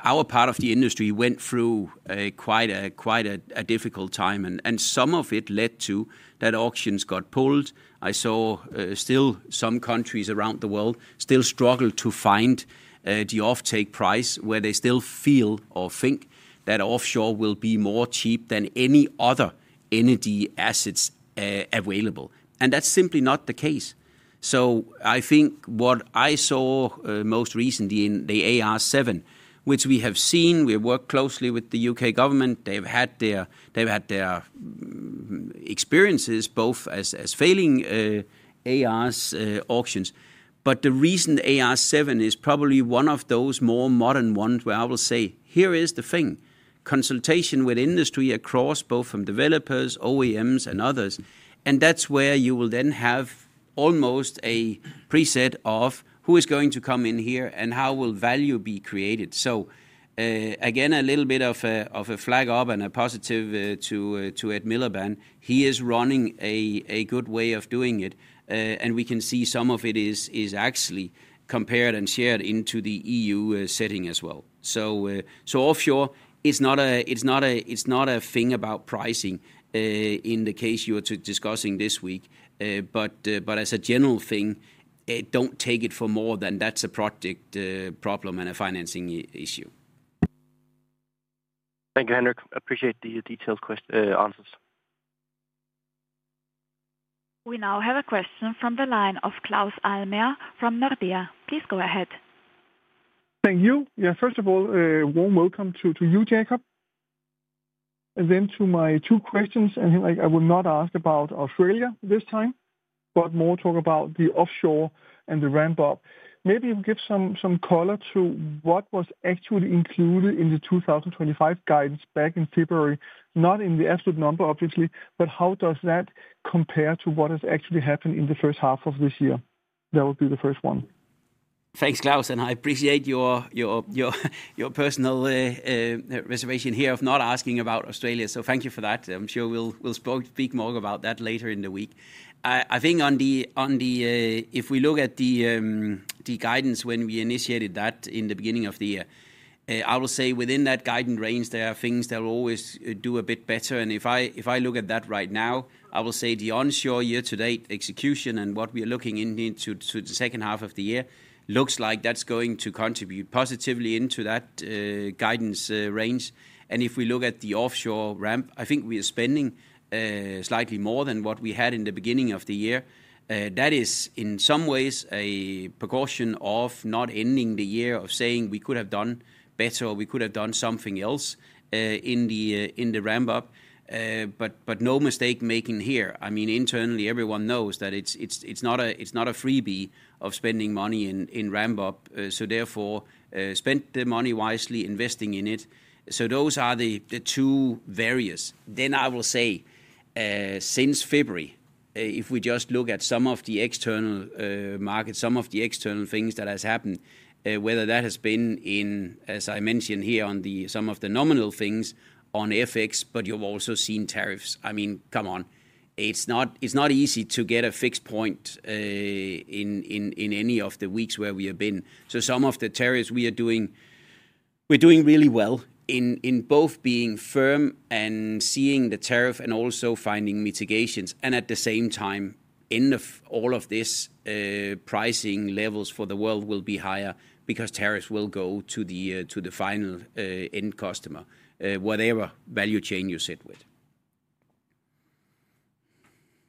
our part of the industry went through quite a difficult time, and some of it led to auctions getting pulled. I saw still some countries around the world still struggle to find the offtake price where they still feel or think that offshore will be more cheap than any other energy assets available, and that's simply not the case. I think what I saw most recently in the AR7, which we have seen, we work closely with the U.K. government. They've had their experiences both as failing ARs auctions. The reason AR7 is probably one of those more modern ones where I will say, here is the thing, consultation with industry across both from developers, OEMs, and others. That's where you will then have almost a preset of who is going to come in here and how value will be created. Again, a little bit of a flag up and a positive to Ed Miliband. He is running a good way of doing it, and we can see some of it is actually compared and shared into the EU setting as well. Offshore is not a thing about pricing in the case you were discussing this week. As a general thing, don't take it for more than that's a project problem and a financing issue. Thank you, Henrik. I appreciate the detailed answers. We now have a question from the line of Claus Almer from Nordea. Please go ahead. Thank you. First of all, warm welcome to you, Jakob. I have two questions. I will not ask about Australia this time, but talk more about the offshore and the ramp-up. Maybe you can give some color to what was actually included in the 2025 guidance back in February, not in the absolute number, obviously, but how does that compare to what has actually happened in the first half of this year? That would be the first one. Thanks, Claus. I appreciate your personal reservation here of not asking about Australia. Thank you for that. I'm sure we'll speak more about that later in the week. I think if we look at the guidance when we initiated that in the beginning of the year, I will say within that guidance range, there are things that always do a bit better. If I look at that right now, I will say the onshore year-to-date execution and what we are looking into the second half of the year looks like that's going to contribute positively into that guidance range. If we look at the offshore ramp, I think we are spending slightly more than what we had in the beginning of the year. That is in some ways a precaution of not ending the year saying we could have done better or we could have done something else in the ramp-up. No mistake-making here. Internally, everyone knows that it's not a freebie of spending money in ramp-up. Therefore, spend the money wisely, investing in it. Those are the two areas. I will say, since February, if we just look at some of the external markets, some of the external things that have happened, whether that has been in, as I mentioned here, on some of the nominal things on FX, but you've also seen tariffs. It's not easy to get a fixed point in any of the weeks where we have been. Some of the tariffs we are doing, we're doing really well in both being firm and seeing the tariff and also finding mitigations. At the same time, in all of this, pricing levels for the world will be higher because tariffs will go to the final end customer, whatever value chain you sit with.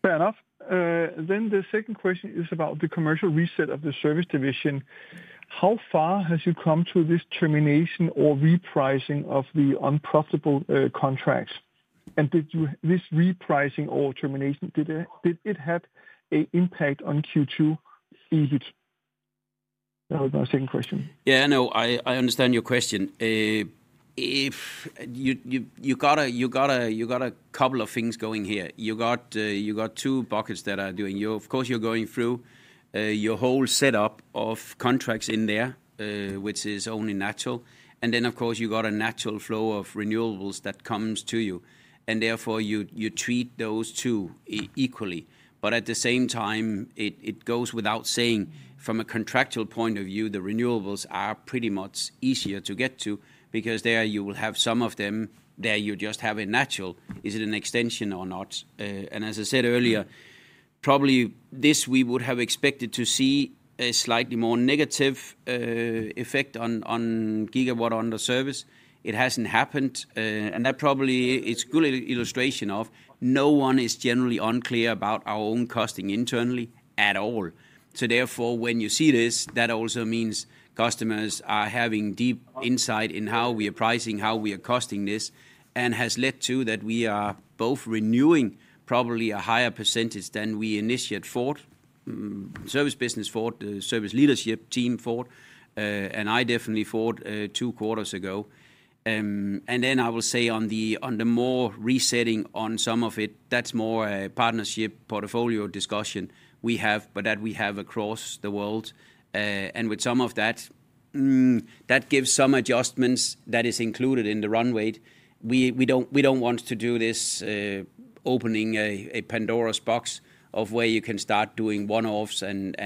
Fair enough. The second question is about the commercial reset of the Service division. How far has it come to this termination or repricing of the unprofitable contracts? Did this repricing or termination have an impact on Q2? That would be my second question. Yeah, no, I understand your question. You got a couple of things going here. You got two buckets that are doing. Of course, you're going through your whole setup of contracts in there, which is only natural. You got a natural flow of renewables that comes to you, and therefore, you treat those two equally. At the same time, it goes without saying, from a contractual point of view, the renewables are pretty much easier to get to because there you will have some of them that you just have in natural. Is it an extension or not? As I said earlier, probably this we would have expected to see a slightly more negative effect on gigawatt on the service. It hasn't happened, and that probably is a good illustration of no one is generally unclear about our own costing internally at all. Therefore, when you see this, that also means customers are having deep insight in how we are pricing, how we are costing this, and has led to that we are both renewing probably a higher percentage than we initiate for service business, for the service leadership team for. I definitely for two quarters ago. I will say on the more resetting on some of it, that's more a partnership portfolio discussion we have, but that we have across the world. With some of that, that gives some adjustments that are included in the runway. We don't want to do this opening a Pandora's box of where you can start doing one-offs and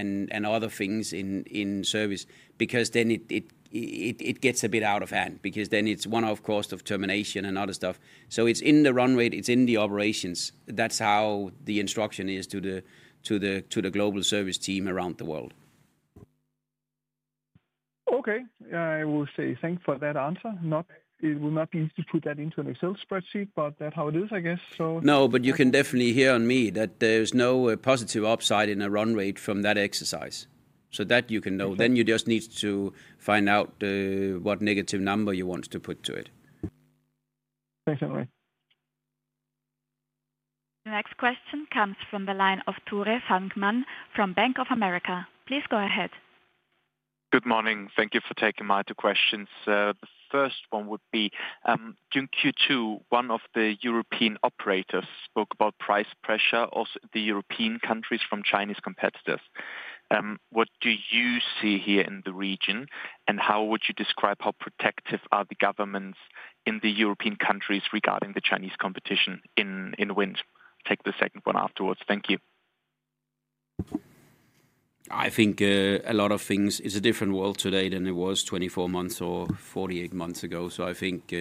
other things in service because then it gets a bit out of hand because then it's one-off cost of termination and other stuff. It's in the runway. It's in the operations. That's how the instruction is to the global service team around the world. Okay. I will say thanks for that answer. It will not be easy to put that into an Excel spreadsheet, but that's how it is, I guess. You can definitely hear on me that there's no positive upside in a runway from that exercise. That you can know. You just need to find out what negative number you want to put to it. Thanks, Henrik. The next question comes from the line of Tore Fangmann from Bank of America. Please go ahead. Good morning. Thank you for taking my two questions. The first one would be, during Q2, one of the European operators spoke about price pressure of the European countries from Chinese competitors. What do you see here in the region? How would you describe how protective are the governments in the European countries regarding the Chinese competition in wind? I'll take the second one afterwards. Thank you. I think a lot of things is a different world today than it was 24 months or 48 months ago. I think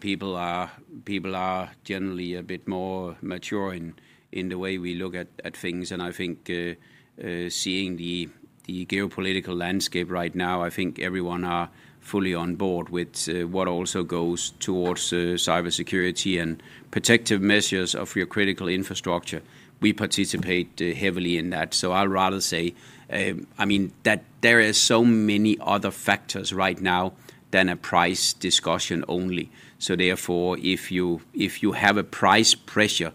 people are generally a bit more mature in the way we look at things. I think seeing the geopolitical landscape right now, I think everyone is fully on board with what also goes towards cybersecurity and protective measures of your critical infrastructure. We participate heavily in that. I'd rather say, I mean, that there are so many other factors right now than a price discussion only. Therefore, if you have a price pressure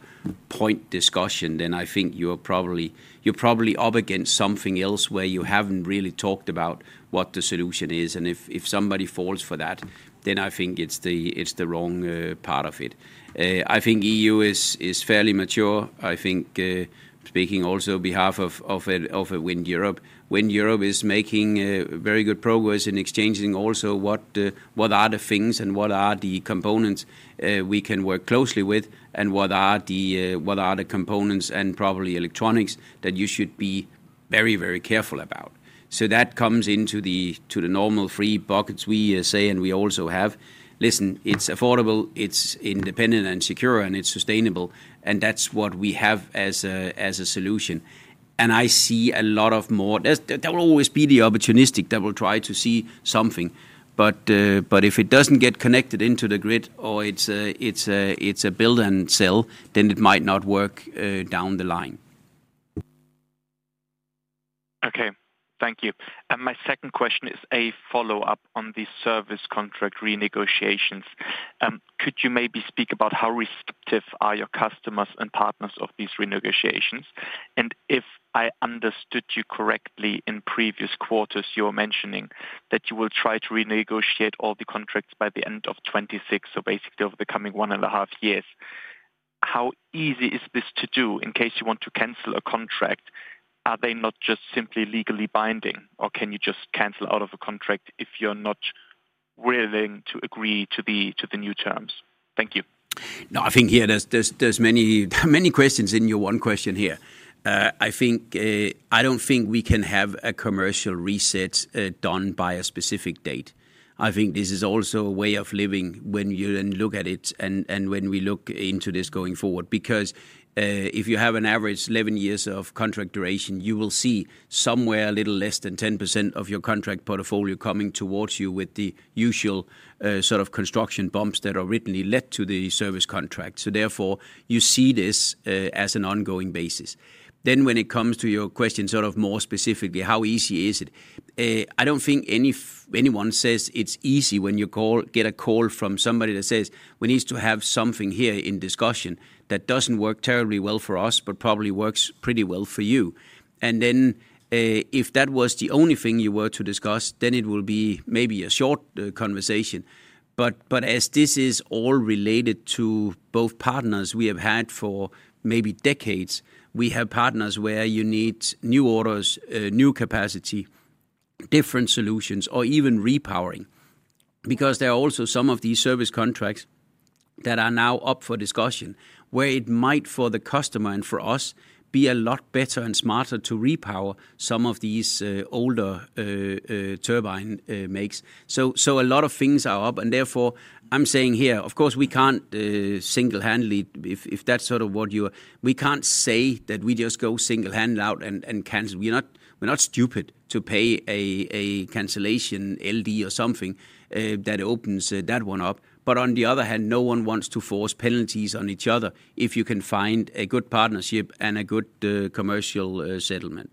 point discussion, then I think you're probably up against something else where you haven't really talked about what the solution is. If somebody falls for that, then I think it's the wrong part of it. I think EU is fairly mature. I think speaking also on behalf of Wind Europe, Wind Europe is making very good progress in exchanging also what are the things and what are the components we can work closely with and what are the components and probably electronics that you should be very, very careful about. That comes into the normal three buckets we say and we also have. Listen, it's affordable, it's independent and secure, and it's sustainable. That's what we have as a solution. I see a lot of more. There will always be the opportunistic that will try to see something. If it doesn't get connected into the grid or it's a build and sell, then it might not work down the line. Okay, thank you. My second question is a follow-up on the service contract renegotiations. Could you maybe speak about how receptive are your customers and partners of these renegotiations? If I understood you correctly, in previous quarters, you were mentioning that you will try to renegotiate all the contracts by the end of 2026, so basically over the coming one and a half years. How easy is this to do in case you want to cancel a contract? Are they not just simply legally binding? Can you just cancel out of a contract if you're not willing to agree to the new terms? Thank you. No, I think here there's many questions in your one question here. I don't think we can have a commercial reset done by a specific date. I think this is also a way of living when you then look at it and when we look into this going forward. Because if you have an average 11 years of contract duration, you will see somewhere a little less than 10% of your contract portfolio coming towards you with the usual sort of construction bumps that are writtenly led to the service contract. Therefore, you see this as an ongoing basis. When it comes to your question, sort of more specifically, how easy is it? I don't think anyone says it's easy when you get a call from somebody that says, we need to have something here in discussion that doesn't work terribly well for us, but probably works pretty well for you. If that was the only thing you were to discuss, then it will be maybe a short conversation. As this is all related to both partners we have had for maybe decades, we have partners where you need new orders, new capacity, different solutions, or even repowering. There are also some of these service contracts that are now up for discussion, where it might, for the customer and for us, be a lot better and smarter to repower some of these older turbine makes. A lot of things are up. Therefore, I'm saying here, of course, we can't single-handle it if that's sort of what you are. We can't say that we just go single-handed out and cancel. We're not stupid to pay a cancellation LD or something that opens that one up. On the other hand, no one wants to force penalties on each other if you can find a good partnership and a good commercial settlement.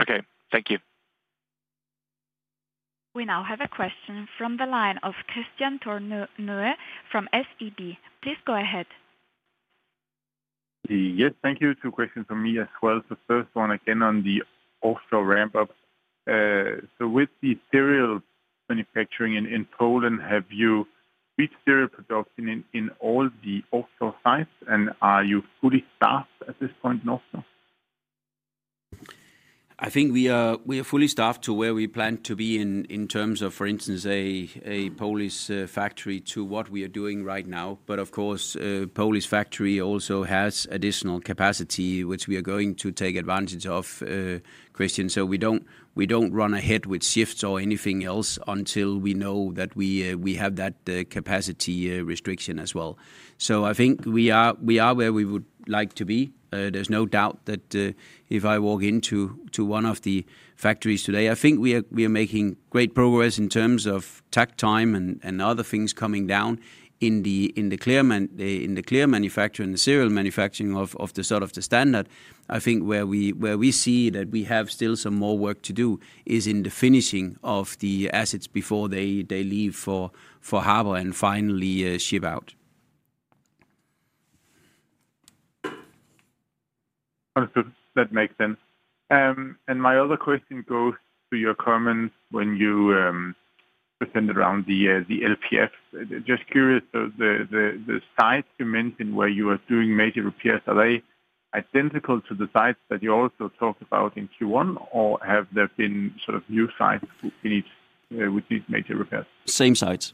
Okay, thank you. We now have a question from the line of Kristian Tornøe from SEB. Please go ahead. Yes, thank you. Two questions for me as well. First one, again, on the offshore ramp-up. With the serial manufacturing in Poland, have you reached serial production in all the offshore sites? Are you fully staffed at this point in offshore? I think we are fully staffed to where we plan to be in terms of, for instance, a Polish factory to what we are doing right now. Of course, Polish factory also has additional capacity, which we are going to take advantage of, Christian. We don't run ahead with shifts or anything else until we know that we have that capacity restriction as well. I think we are where we would like to be. There's no doubt that if I walk into one of the factories today, I think we are making great progress in terms of takt time and other things coming down in the clear manufacturing and the serial manufacturing of the sort of the standard. I think where we see that we have still some more work to do is in the finishing of the assets before they leave for harbor and finally ship out. Understood. That makes sense. My other question goes to your comments when you pretended around the LPF. Just curious, the sites you mentioned where you are doing major repairs, are they identical to the sites that you also talked about in Q1? Or have there been sort of new sites with these major repairs? Same sites.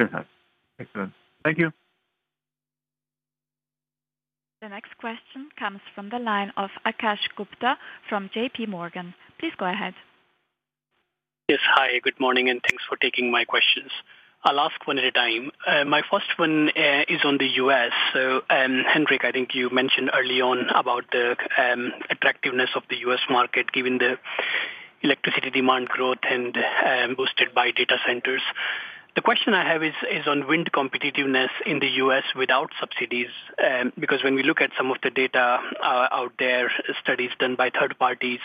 Excellent. Thank you. The next question comes from the line of Akash Gupta from JPMorgan. Please go ahead. Yes, hi. Good morning. Thanks for taking my questions. I'll ask one at a time. My first one is on the U.S. Henrik, I think you mentioned early on about the attractiveness of the U.S. market, given the electricity demand growth and boosted by data centers. The question I have is on wind competitiveness in the U.S. without subsidies. When we look at some of the data out there, studies done by third parties,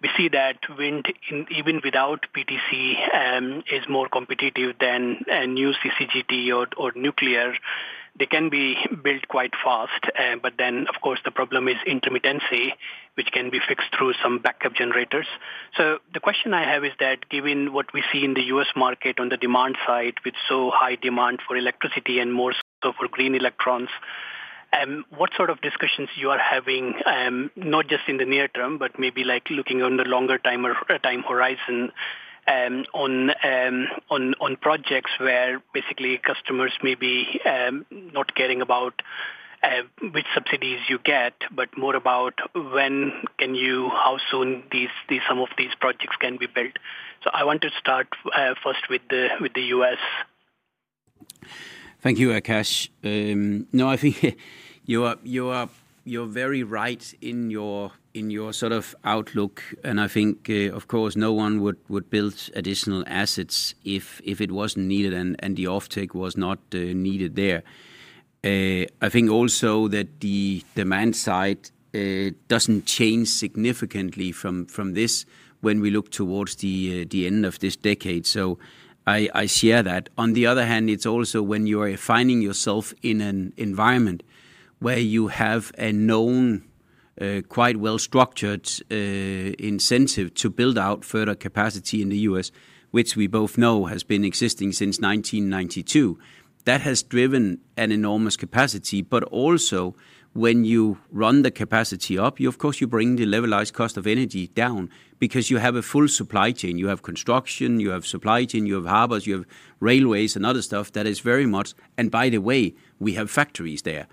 we see that wind, even without PTC, is more competitive than a new CCGT or nuclear. They can be built quite fast. Of course, the problem is intermittency, which can be fixed through some backup generators. The question I have is that given what we see in the U.S. market on the demand side with so high demand for electricity and more so for green electrons, what sort of discussions you are having, not just in the near term, but maybe looking on the longer time horizon on projects where basically customers may be not caring about which subsidies you get, but more about when can you, how soon some of these projects can be built. I want to start first with the U.S. Thank you, Akash. No, I think you're very right in your sort of outlook. I think, of course, no one would build additional assets if it wasn't needed and the offtake was not needed there. I think also that the demand side doesn't change significantly from this when we look towards the end of this decade. I share that. On the other hand, it's also when you are finding yourself in an environment where you have a known, quite well-structured incentive to build out further capacity in the U.S., which we both know has been existing since 1992. That has driven an enormous capacity. Also, when you run the capacity up, you bring the levelized cost of energy down because you have a full supply chain. You have construction, you have supply chain, you have harbors, you have railways, and other stuff that is very much, and by the way, we have factories there.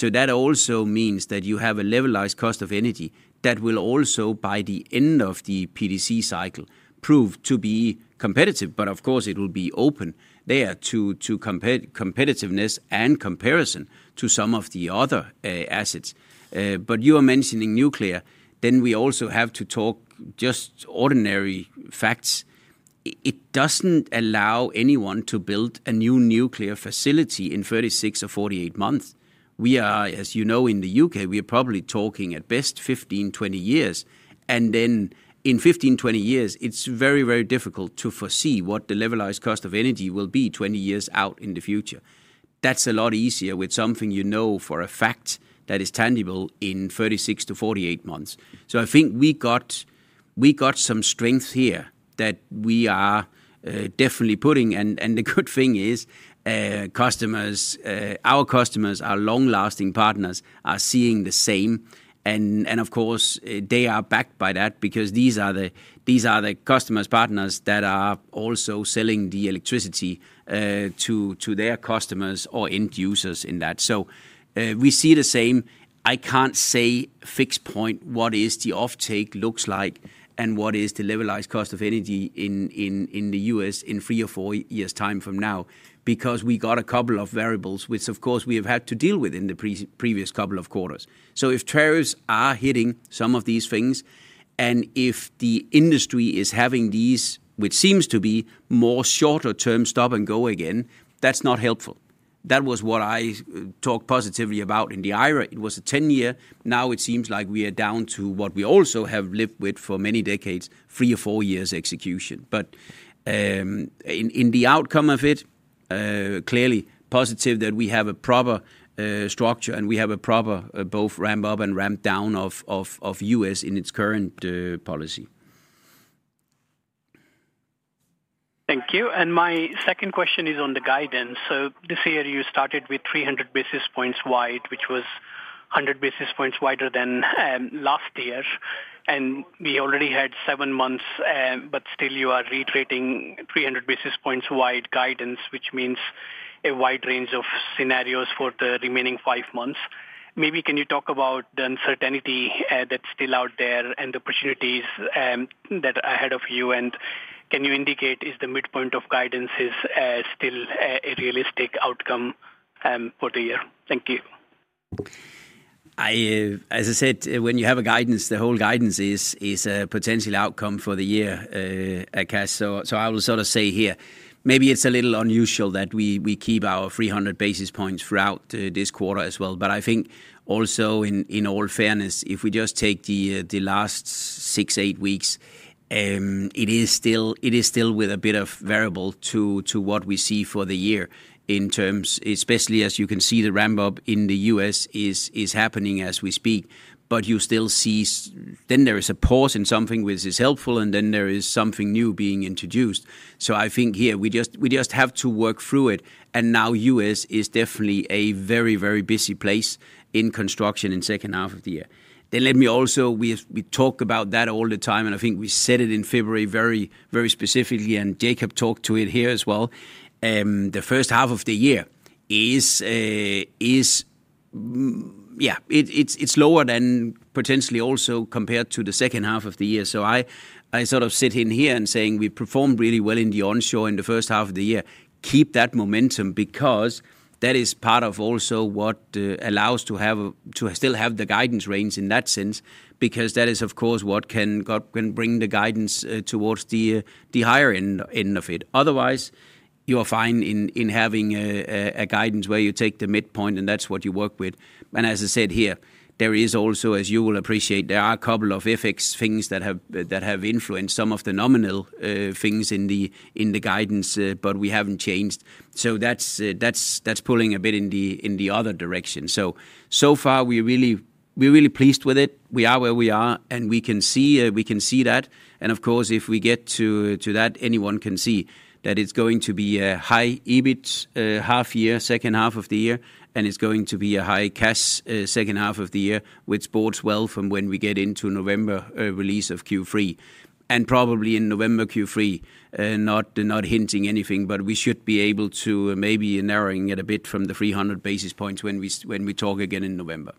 That also means that you have a levelized cost of energy that will also, by the end of the PTC cycle, prove to be competitive. Of course, it will be open there to competitiveness and comparison to some of the other assets. You are mentioning nuclear. We also have to talk just ordinary facts. It doesn't allow anyone to build a new nuclear facility in 36 or 48 months. We are, as you know, in the U.K., probably talking at best 15, 20 years. In 15, 20 years, it's very, very difficult to foresee what the levelized cost of energy will be 20 years out in the future. That's a lot easier with something you know for a fact that is tangible in 36-48 months. I think we got some strength here that we are definitely putting. The good thing is our customers, our long-lasting partners, are seeing the same. Of course, they are backed by that because these are the customers, partners that are also selling the electricity to their customers or end users in that. We see the same. I can't say fixed point what the offtake looks like and what is the levelized cost of energy in the U.S. in three or four years' time from now because we got a couple of variables, which of course we have had to deal with in the previous couple of quarters. If tariffs are hitting some of these things and if the industry is having these, which seems to be more shorter-term stop and go again, that's not helpful. That was what I talked positively about in the IRA. It was a 10-year. Now it seems like we are down to what we also have lived with for many decades, three or four years' execution. In the outcome of it, clearly positive that we have a proper structure and we have a proper both ramp-up and ramp-down of U.S. in its current policy. Thank you. My second question is on the guidance. This year, you started with 300 basis points wide, which was 100 basis points wider than last year. We already had seven months, but still you are reiterating 300 basis points wide guidance, which means a wide range of scenarios for the remaining five months. Maybe can you talk about the uncertainty that's still out there and the opportunities that are ahead of you? Can you indicate if the midpoint of guidance is still a realistic outcome for the year? Thank you. As I said, when you have a guidance, the whole guidance is a potential outcome for the year, I guess. I will sort of say here, maybe it's a little unusual that we keep our 300 basis points throughout this quarter as well. I think also, in all fairness, if we just take the last six, eight weeks, it is still with a bit of variable to what we see for the year in terms, especially as you can see the ramp-up in the U.S. is happening as we speak. You still see, then there is a pause in something which is helpful, and then there is something new being introduced. I think here we just have to work through it. Now, the U.S. is definitely a very, very busy place in construction in the second half of the year. Let me also, we talk about that all the time, and I think we said it in February very, very specifically, and Jakob talked to it here as well. The first half of the year is, yeah, it's lower than potentially also compared to the second half of the year. I sort of sit in here and say we performed really well in the onshore in the first half of the year. Keep that momentum because that is part of also what allows us to still have the guidance range in that sense, because that is, of course, what can bring the guidance towards the higher end of it. Otherwise, you are fine in having a guidance where you take the midpoint, and that's what you work with. As I said here, there is also, as you will appreciate, there are a couple of FX things that have influenced some of the nominal things in the guidance, but we haven't changed. That's pulling a bit in the other direction. So far, we're really pleased with it. We are where we are, and we can see that. Of course, if we get to that, anyone can see that it's going to be a high EBIT half year, second half of the year, and it's going to be a high cash second half of the year, which bodes well from when we get into November release of Q3. Probably in November Q3, not hinting anything, but we should be able to maybe narrowing it a bit from the 300 basis points when we talk again in November.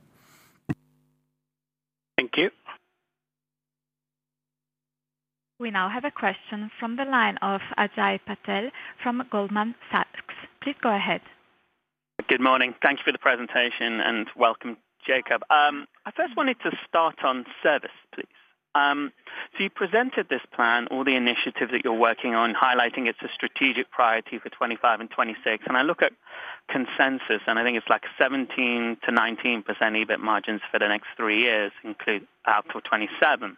We now have a question from the line of Ajay Patel from Goldman Sachs. Please go ahead. Good morning. Thanks for the presentation and welcome, Jakob. I first wanted to start on Service, please. You presented this plan, all the initiatives that you're working on, highlighting it's a strategic priority for 2025 and 2026. I look at consensus, and I think it's like 17%-19% EBIT margins for the next three years, including out to 2027.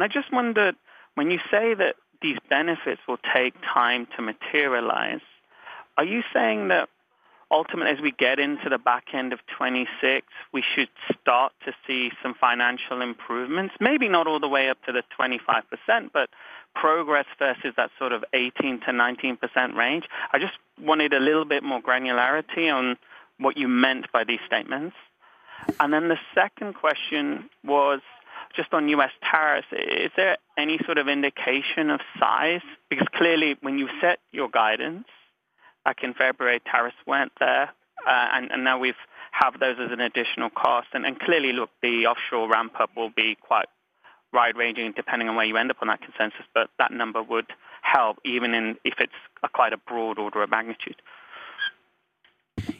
I just wondered, when you say that these benefits will take time to materialize, are you saying that ultimately, as we get into the back end of 2026, we should start to see some financial improvements? Maybe not all the way up to the 25%, but progress versus that sort of 18%-19% range. I just wanted a little bit more granularity on what you meant by these statements. The second question was just on U.S. tariffs. Is there any sort of indication of size? Clearly, when you set your guidance back in February, tariffs weren't there, and now we have those as an additional cost. Clearly, the offshore ramp-up will be quite wide-ranging depending on where you end up on that consensus, but that number would help even if it's quite a broad order of magnitude.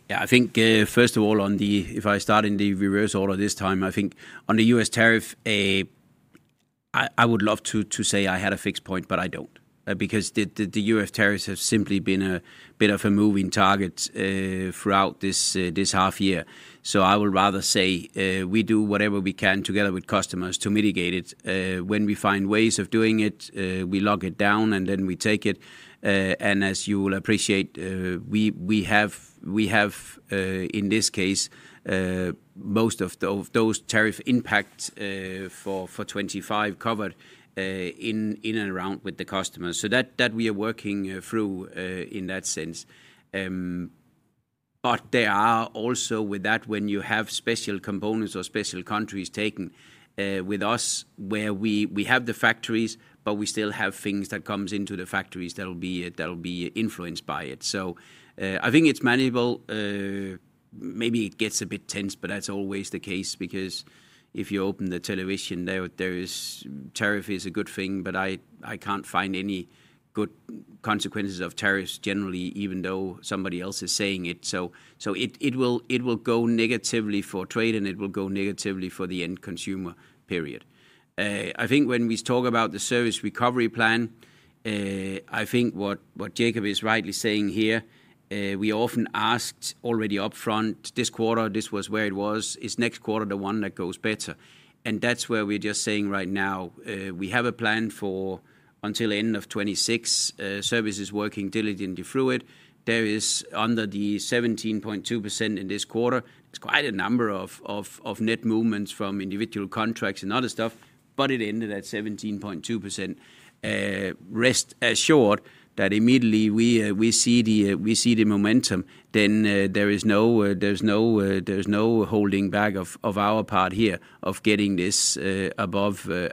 Yeah, I think first of all, if I start in the reverse order this time, I think on the U.S. tariff, I would love to say I had a fixed point, but I don't. Because the U.S. tariffs have simply been a bit of a moving target throughout this half year. I would rather say we do whatever we can together with customers to mitigate it. When we find ways of doing it, we lock it down and then we take it. As you will appreciate, we have, in this case, most of those tariff impacts for 2025 covered in and around with the customers. That we are working through in that sense. There are also with that when you have special components or special countries taken with us where we have the factories, but we still have things that come into the factories that will be influenced by it. I think it's manageable. Maybe it gets a bit tense, but that's always the case because if you open the television, there is tariff is a good thing, but I can't find any good consequences of tariffs generally, even though somebody else is saying it. It will go negatively for trade and it will go negatively for the end consumer, period. I think when we talk about the service recovery plan, I think what Jakob is rightly saying here, we often asked already upfront this quarter, this was where it was, is next quarter the one that goes better? That's where we're just saying right now, we have a plan for until the end of 2026, services working diligently through it. There is under the 17.2% in this quarter. It's quite a number of net movements from individual contracts and other stuff, but it ended at 17.2%. Rest assured that immediately we see the momentum, then there's no holding back of our part here of getting this above the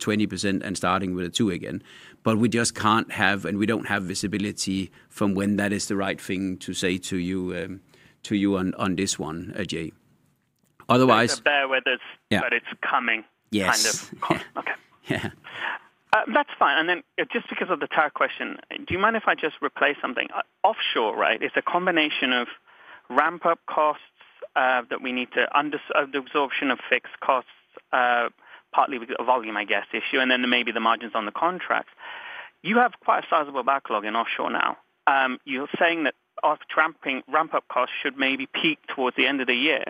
20% and starting with a 2 again. We just can't have and we don't have visibility from when that is the right thing to say to you on this one, Ajay. Otherwise. Not there where it's coming. Yes. Okay. Yeah. That's fine. Just because of the tariff question, do you mind if I just replay something? Offshore, right? It's a combination of ramp-up costs that we need to understand, the absorption of fixed costs, partly because of volume, I guess, the issue, and then maybe the margins on the contracts. You have quite a sizable backlog in offshore now. You're saying that offshore ramp-up costs should maybe peak towards the end of the year.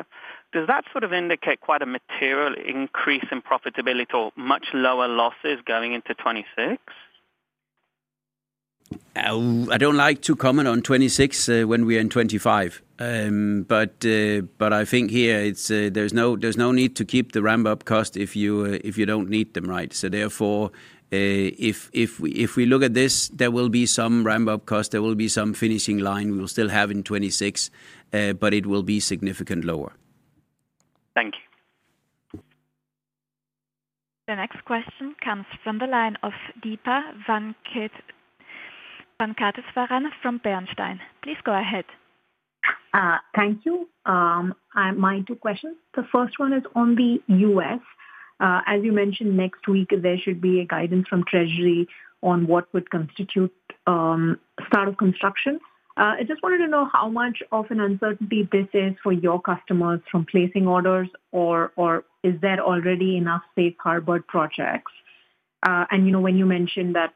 Does that sort of indicate quite a material increase in profitability or much lower losses going into 2026? I don't like to comment on '26 when we are in '25. I think here there's no need to keep the ramp-up costs if you don't need them, right? Therefore, if we look at this, there will be some ramp-up costs, there will be some finishing line we will still have in '26, but it will be significantly lower. Thank you. The next question comes from the line of Deepa Venkateswaran from Bernstein. Please go ahead. Thank you. I have my two questions. The first one is on the U.S. As you mentioned, next week there should be a guidance from Treasury on what would constitute start of construction. I just wanted to know how much of an uncertainty this is for your customers from placing orders, or is there already enough safe harbored projects? When you mentioned that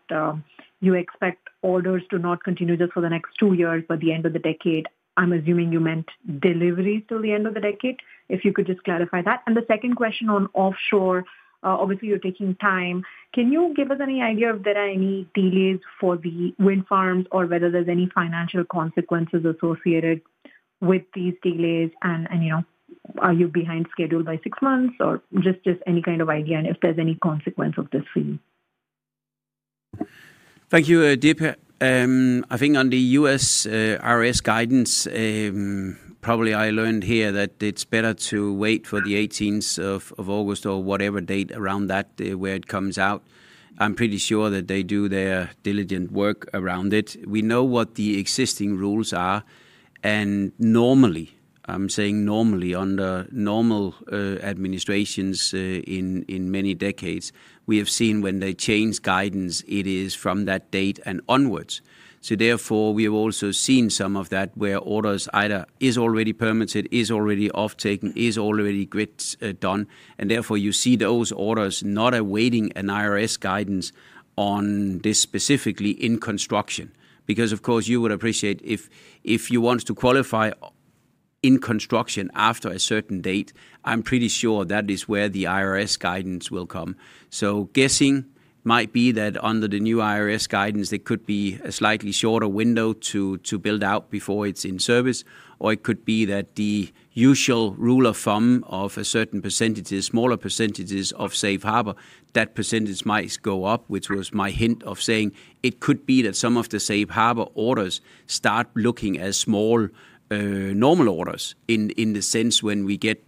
you expect orders to not continue just for the next two years, but the end of the decade, I'm assuming you meant deliveries till the end of the decade. If you could just clarify that. The second question on offshore, obviously you're taking time. Can you give us any idea if there are any delays for the wind farms or whether there's any financial consequences associated with these delays? Are you behind schedule by six months or just any kind of idea if there's any consequence of this for you? Thank you, Deepa. I think on the U.S. IRS guidance, probably I learned here that it's better to wait for the 18th of August or whatever date around that where it comes out. I'm pretty sure that they do their diligent work around it. We know what the existing rules are. Normally, under normal administrations in many decades, we have seen when they change guidance, it is from that date and onwards. Therefore, we have also seen some of that where orders either are already permitted, are already off-taken, are already grids done. Therefore, you see those orders not awaiting an IRS guidance on this specifically in construction. Of course, you would appreciate if you want to qualify in construction after a certain date, I'm pretty sure that is where the IRS guidance will come. Guessing might be that under the new IRS guidance, there could be a slightly shorter window to build out before it's in service, or it could be that the usual rule of thumb of a certain %, smaller % of safe harbor, that % might go up, which was my hint of saying it could be that some of the safe harbor orders start looking as small normal orders in the sense when we get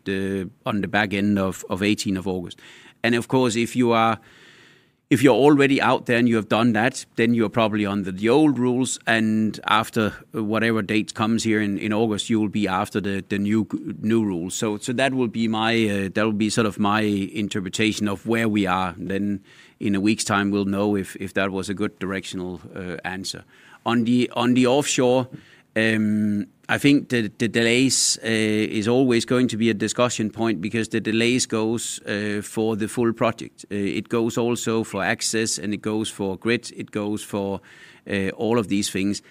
on the back end of 18th of August. Of course, if you are already out there and you have done that, then you're probably on the old rules. After whatever date comes here in August, you will be after the new rules. That will be sort of my interpretation of where we are. In a week's time, we'll know if that was a good directional answer. On the offshore, I think the delays are always going to be a discussion point because the delays go for the full project. It goes also for access, and it goes for grids. It goes for all of these things.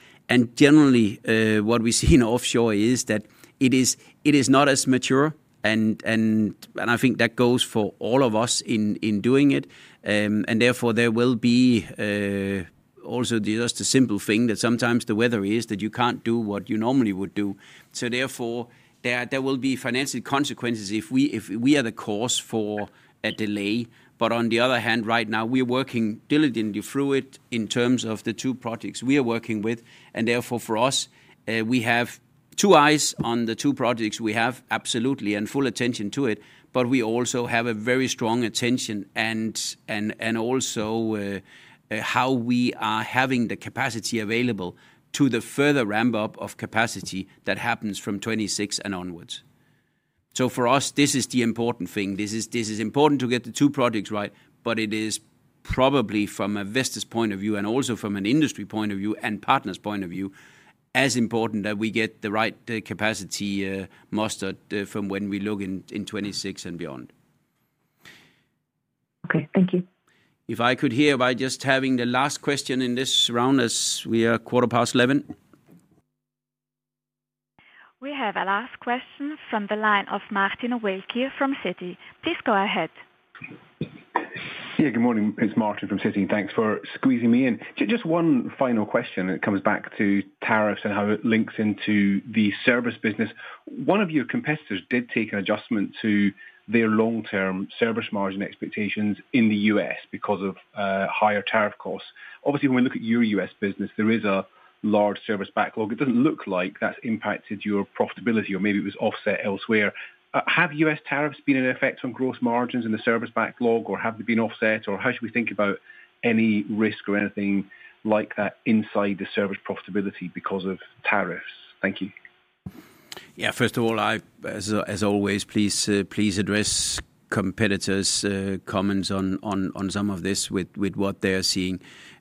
Generally, what we see in offshore is that it is not as mature. I think that goes for all of us in doing it. Therefore, there will be also just a simple thing that sometimes the weather is that you can't do what you normally would do. Therefore, there will be financial consequences if we are the cause for a delay. On the other hand, right now, we are working diligently through it in terms of the two projects we are working with. Therefore, for us, we have two eyes on the two projects, we have absolutely and full attention to it. We also have a very strong attention and also how we are having the capacity available to the further ramp-up of capacity that happens from 2026 and onwards. For us, this is the important thing. This is important to get the two projects right. It is probably from a Vestas point of view and also from an industry point of view and partners' point of view as important that we get the right capacity mustered from when we look in 2026 and beyond. Okay, thank you. If I could here by just having the last question in this round as we are quarter past 11. We have a last question from the line of Martin Wilkie from Citi. Please go ahead. Yeah, good morning. It's Martin from Citi. Thanks for squeezing me in. Just one final question. It comes back to tariffs and how it links into the service business. One of your competitors did take an adjustment to their long-term service margin expectations in the U.S. because of higher tariff costs. Obviously, when we look at your U.S. business, there is a large service backlog. It doesn't look like that's impacted your profitability, or maybe it was offset elsewhere. Have U.S. tariffs been an effect on gross margins in the service backlog, or have they been offset? How should we think about any risk or anything like that inside the service profitability because of tariffs? Thank you. First of all, as always, please address competitors' comments on some of this with what they are seeing.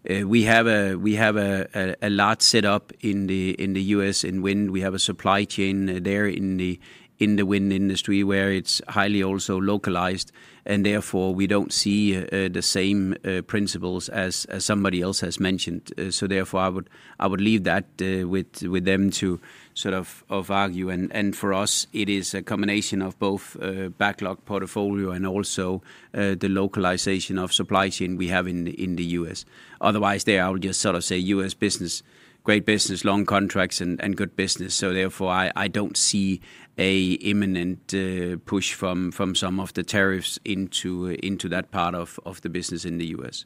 We have a lot set up in the U.S. in wind. We have a supply chain there in the wind industry where it's highly also localized. Therefore, we don't see the same principles as somebody else has mentioned. I would leave that with them to sort of argue. For us, it is a combination of both backlog portfolio and also the localization of supply chain we have in the U.S. Otherwise, I would just sort of say U.S. business, great business, long contracts, and good business. I don't see an imminent push from some of the tariffs into that part of the business in the U.S.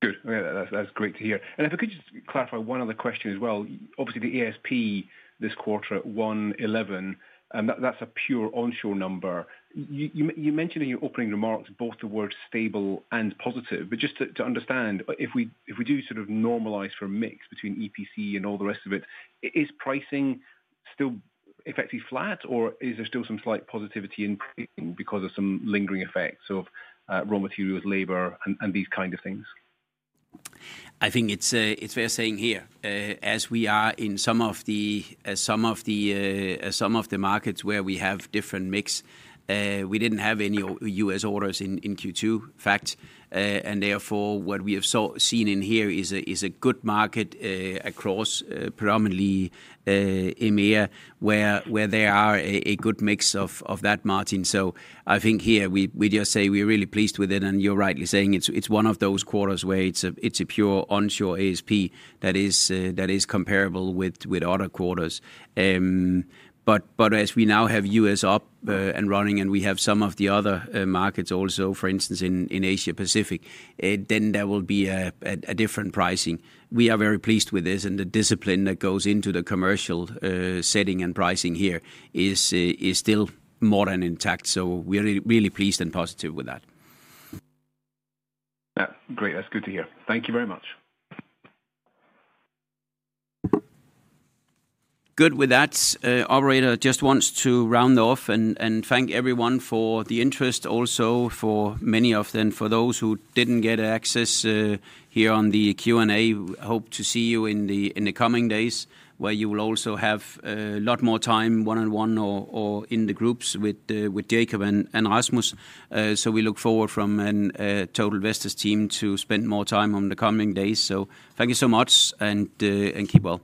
Good. That's great to hear. If I could just clarify one other question as well. Obviously, the ASP this quarter at 111, that's a pure onshore number. You mentioned in your opening remarks both the word stable and positive. Just to understand, if we do sort of normalize for a mix between EPC and all the rest of it, is pricing still effectively flat, or is there still some slight positivity in because of some lingering effects of raw materials, labor, and these kinds of things? I think it's fair saying here, as we are in some of the markets where we have different mix, we didn't have any U.S. orders in Q2, in fact. Therefore, what we have seen in here is a good market across predominantly EMEA where there are a good mix of that margin. I think here we just say we're really pleased with it. You're rightly saying it's one of those quarters where it's a pure onshore ASP that is comparable with other quarters. As we now have U.S. up and running and we have some of the other markets also, for instance, in Asia-Pacific, there will be a different pricing. We are very pleased with this. The discipline that goes into the commercial setting and pricing here is still more than intact. We're really pleased and positive with that. Great. That's good to hear. Thank you very much. Good with that. Our reader just wants to round off and thank everyone for the interest, also for many of them. For those who didn't get access here on the Q&A, hope to see you in the coming days where you will also have a lot more time one-on-one or in the groups with Jakob and Rasmus. We look forward from a total Vestas team to spend more time on the coming days. Thank you so much and keep well.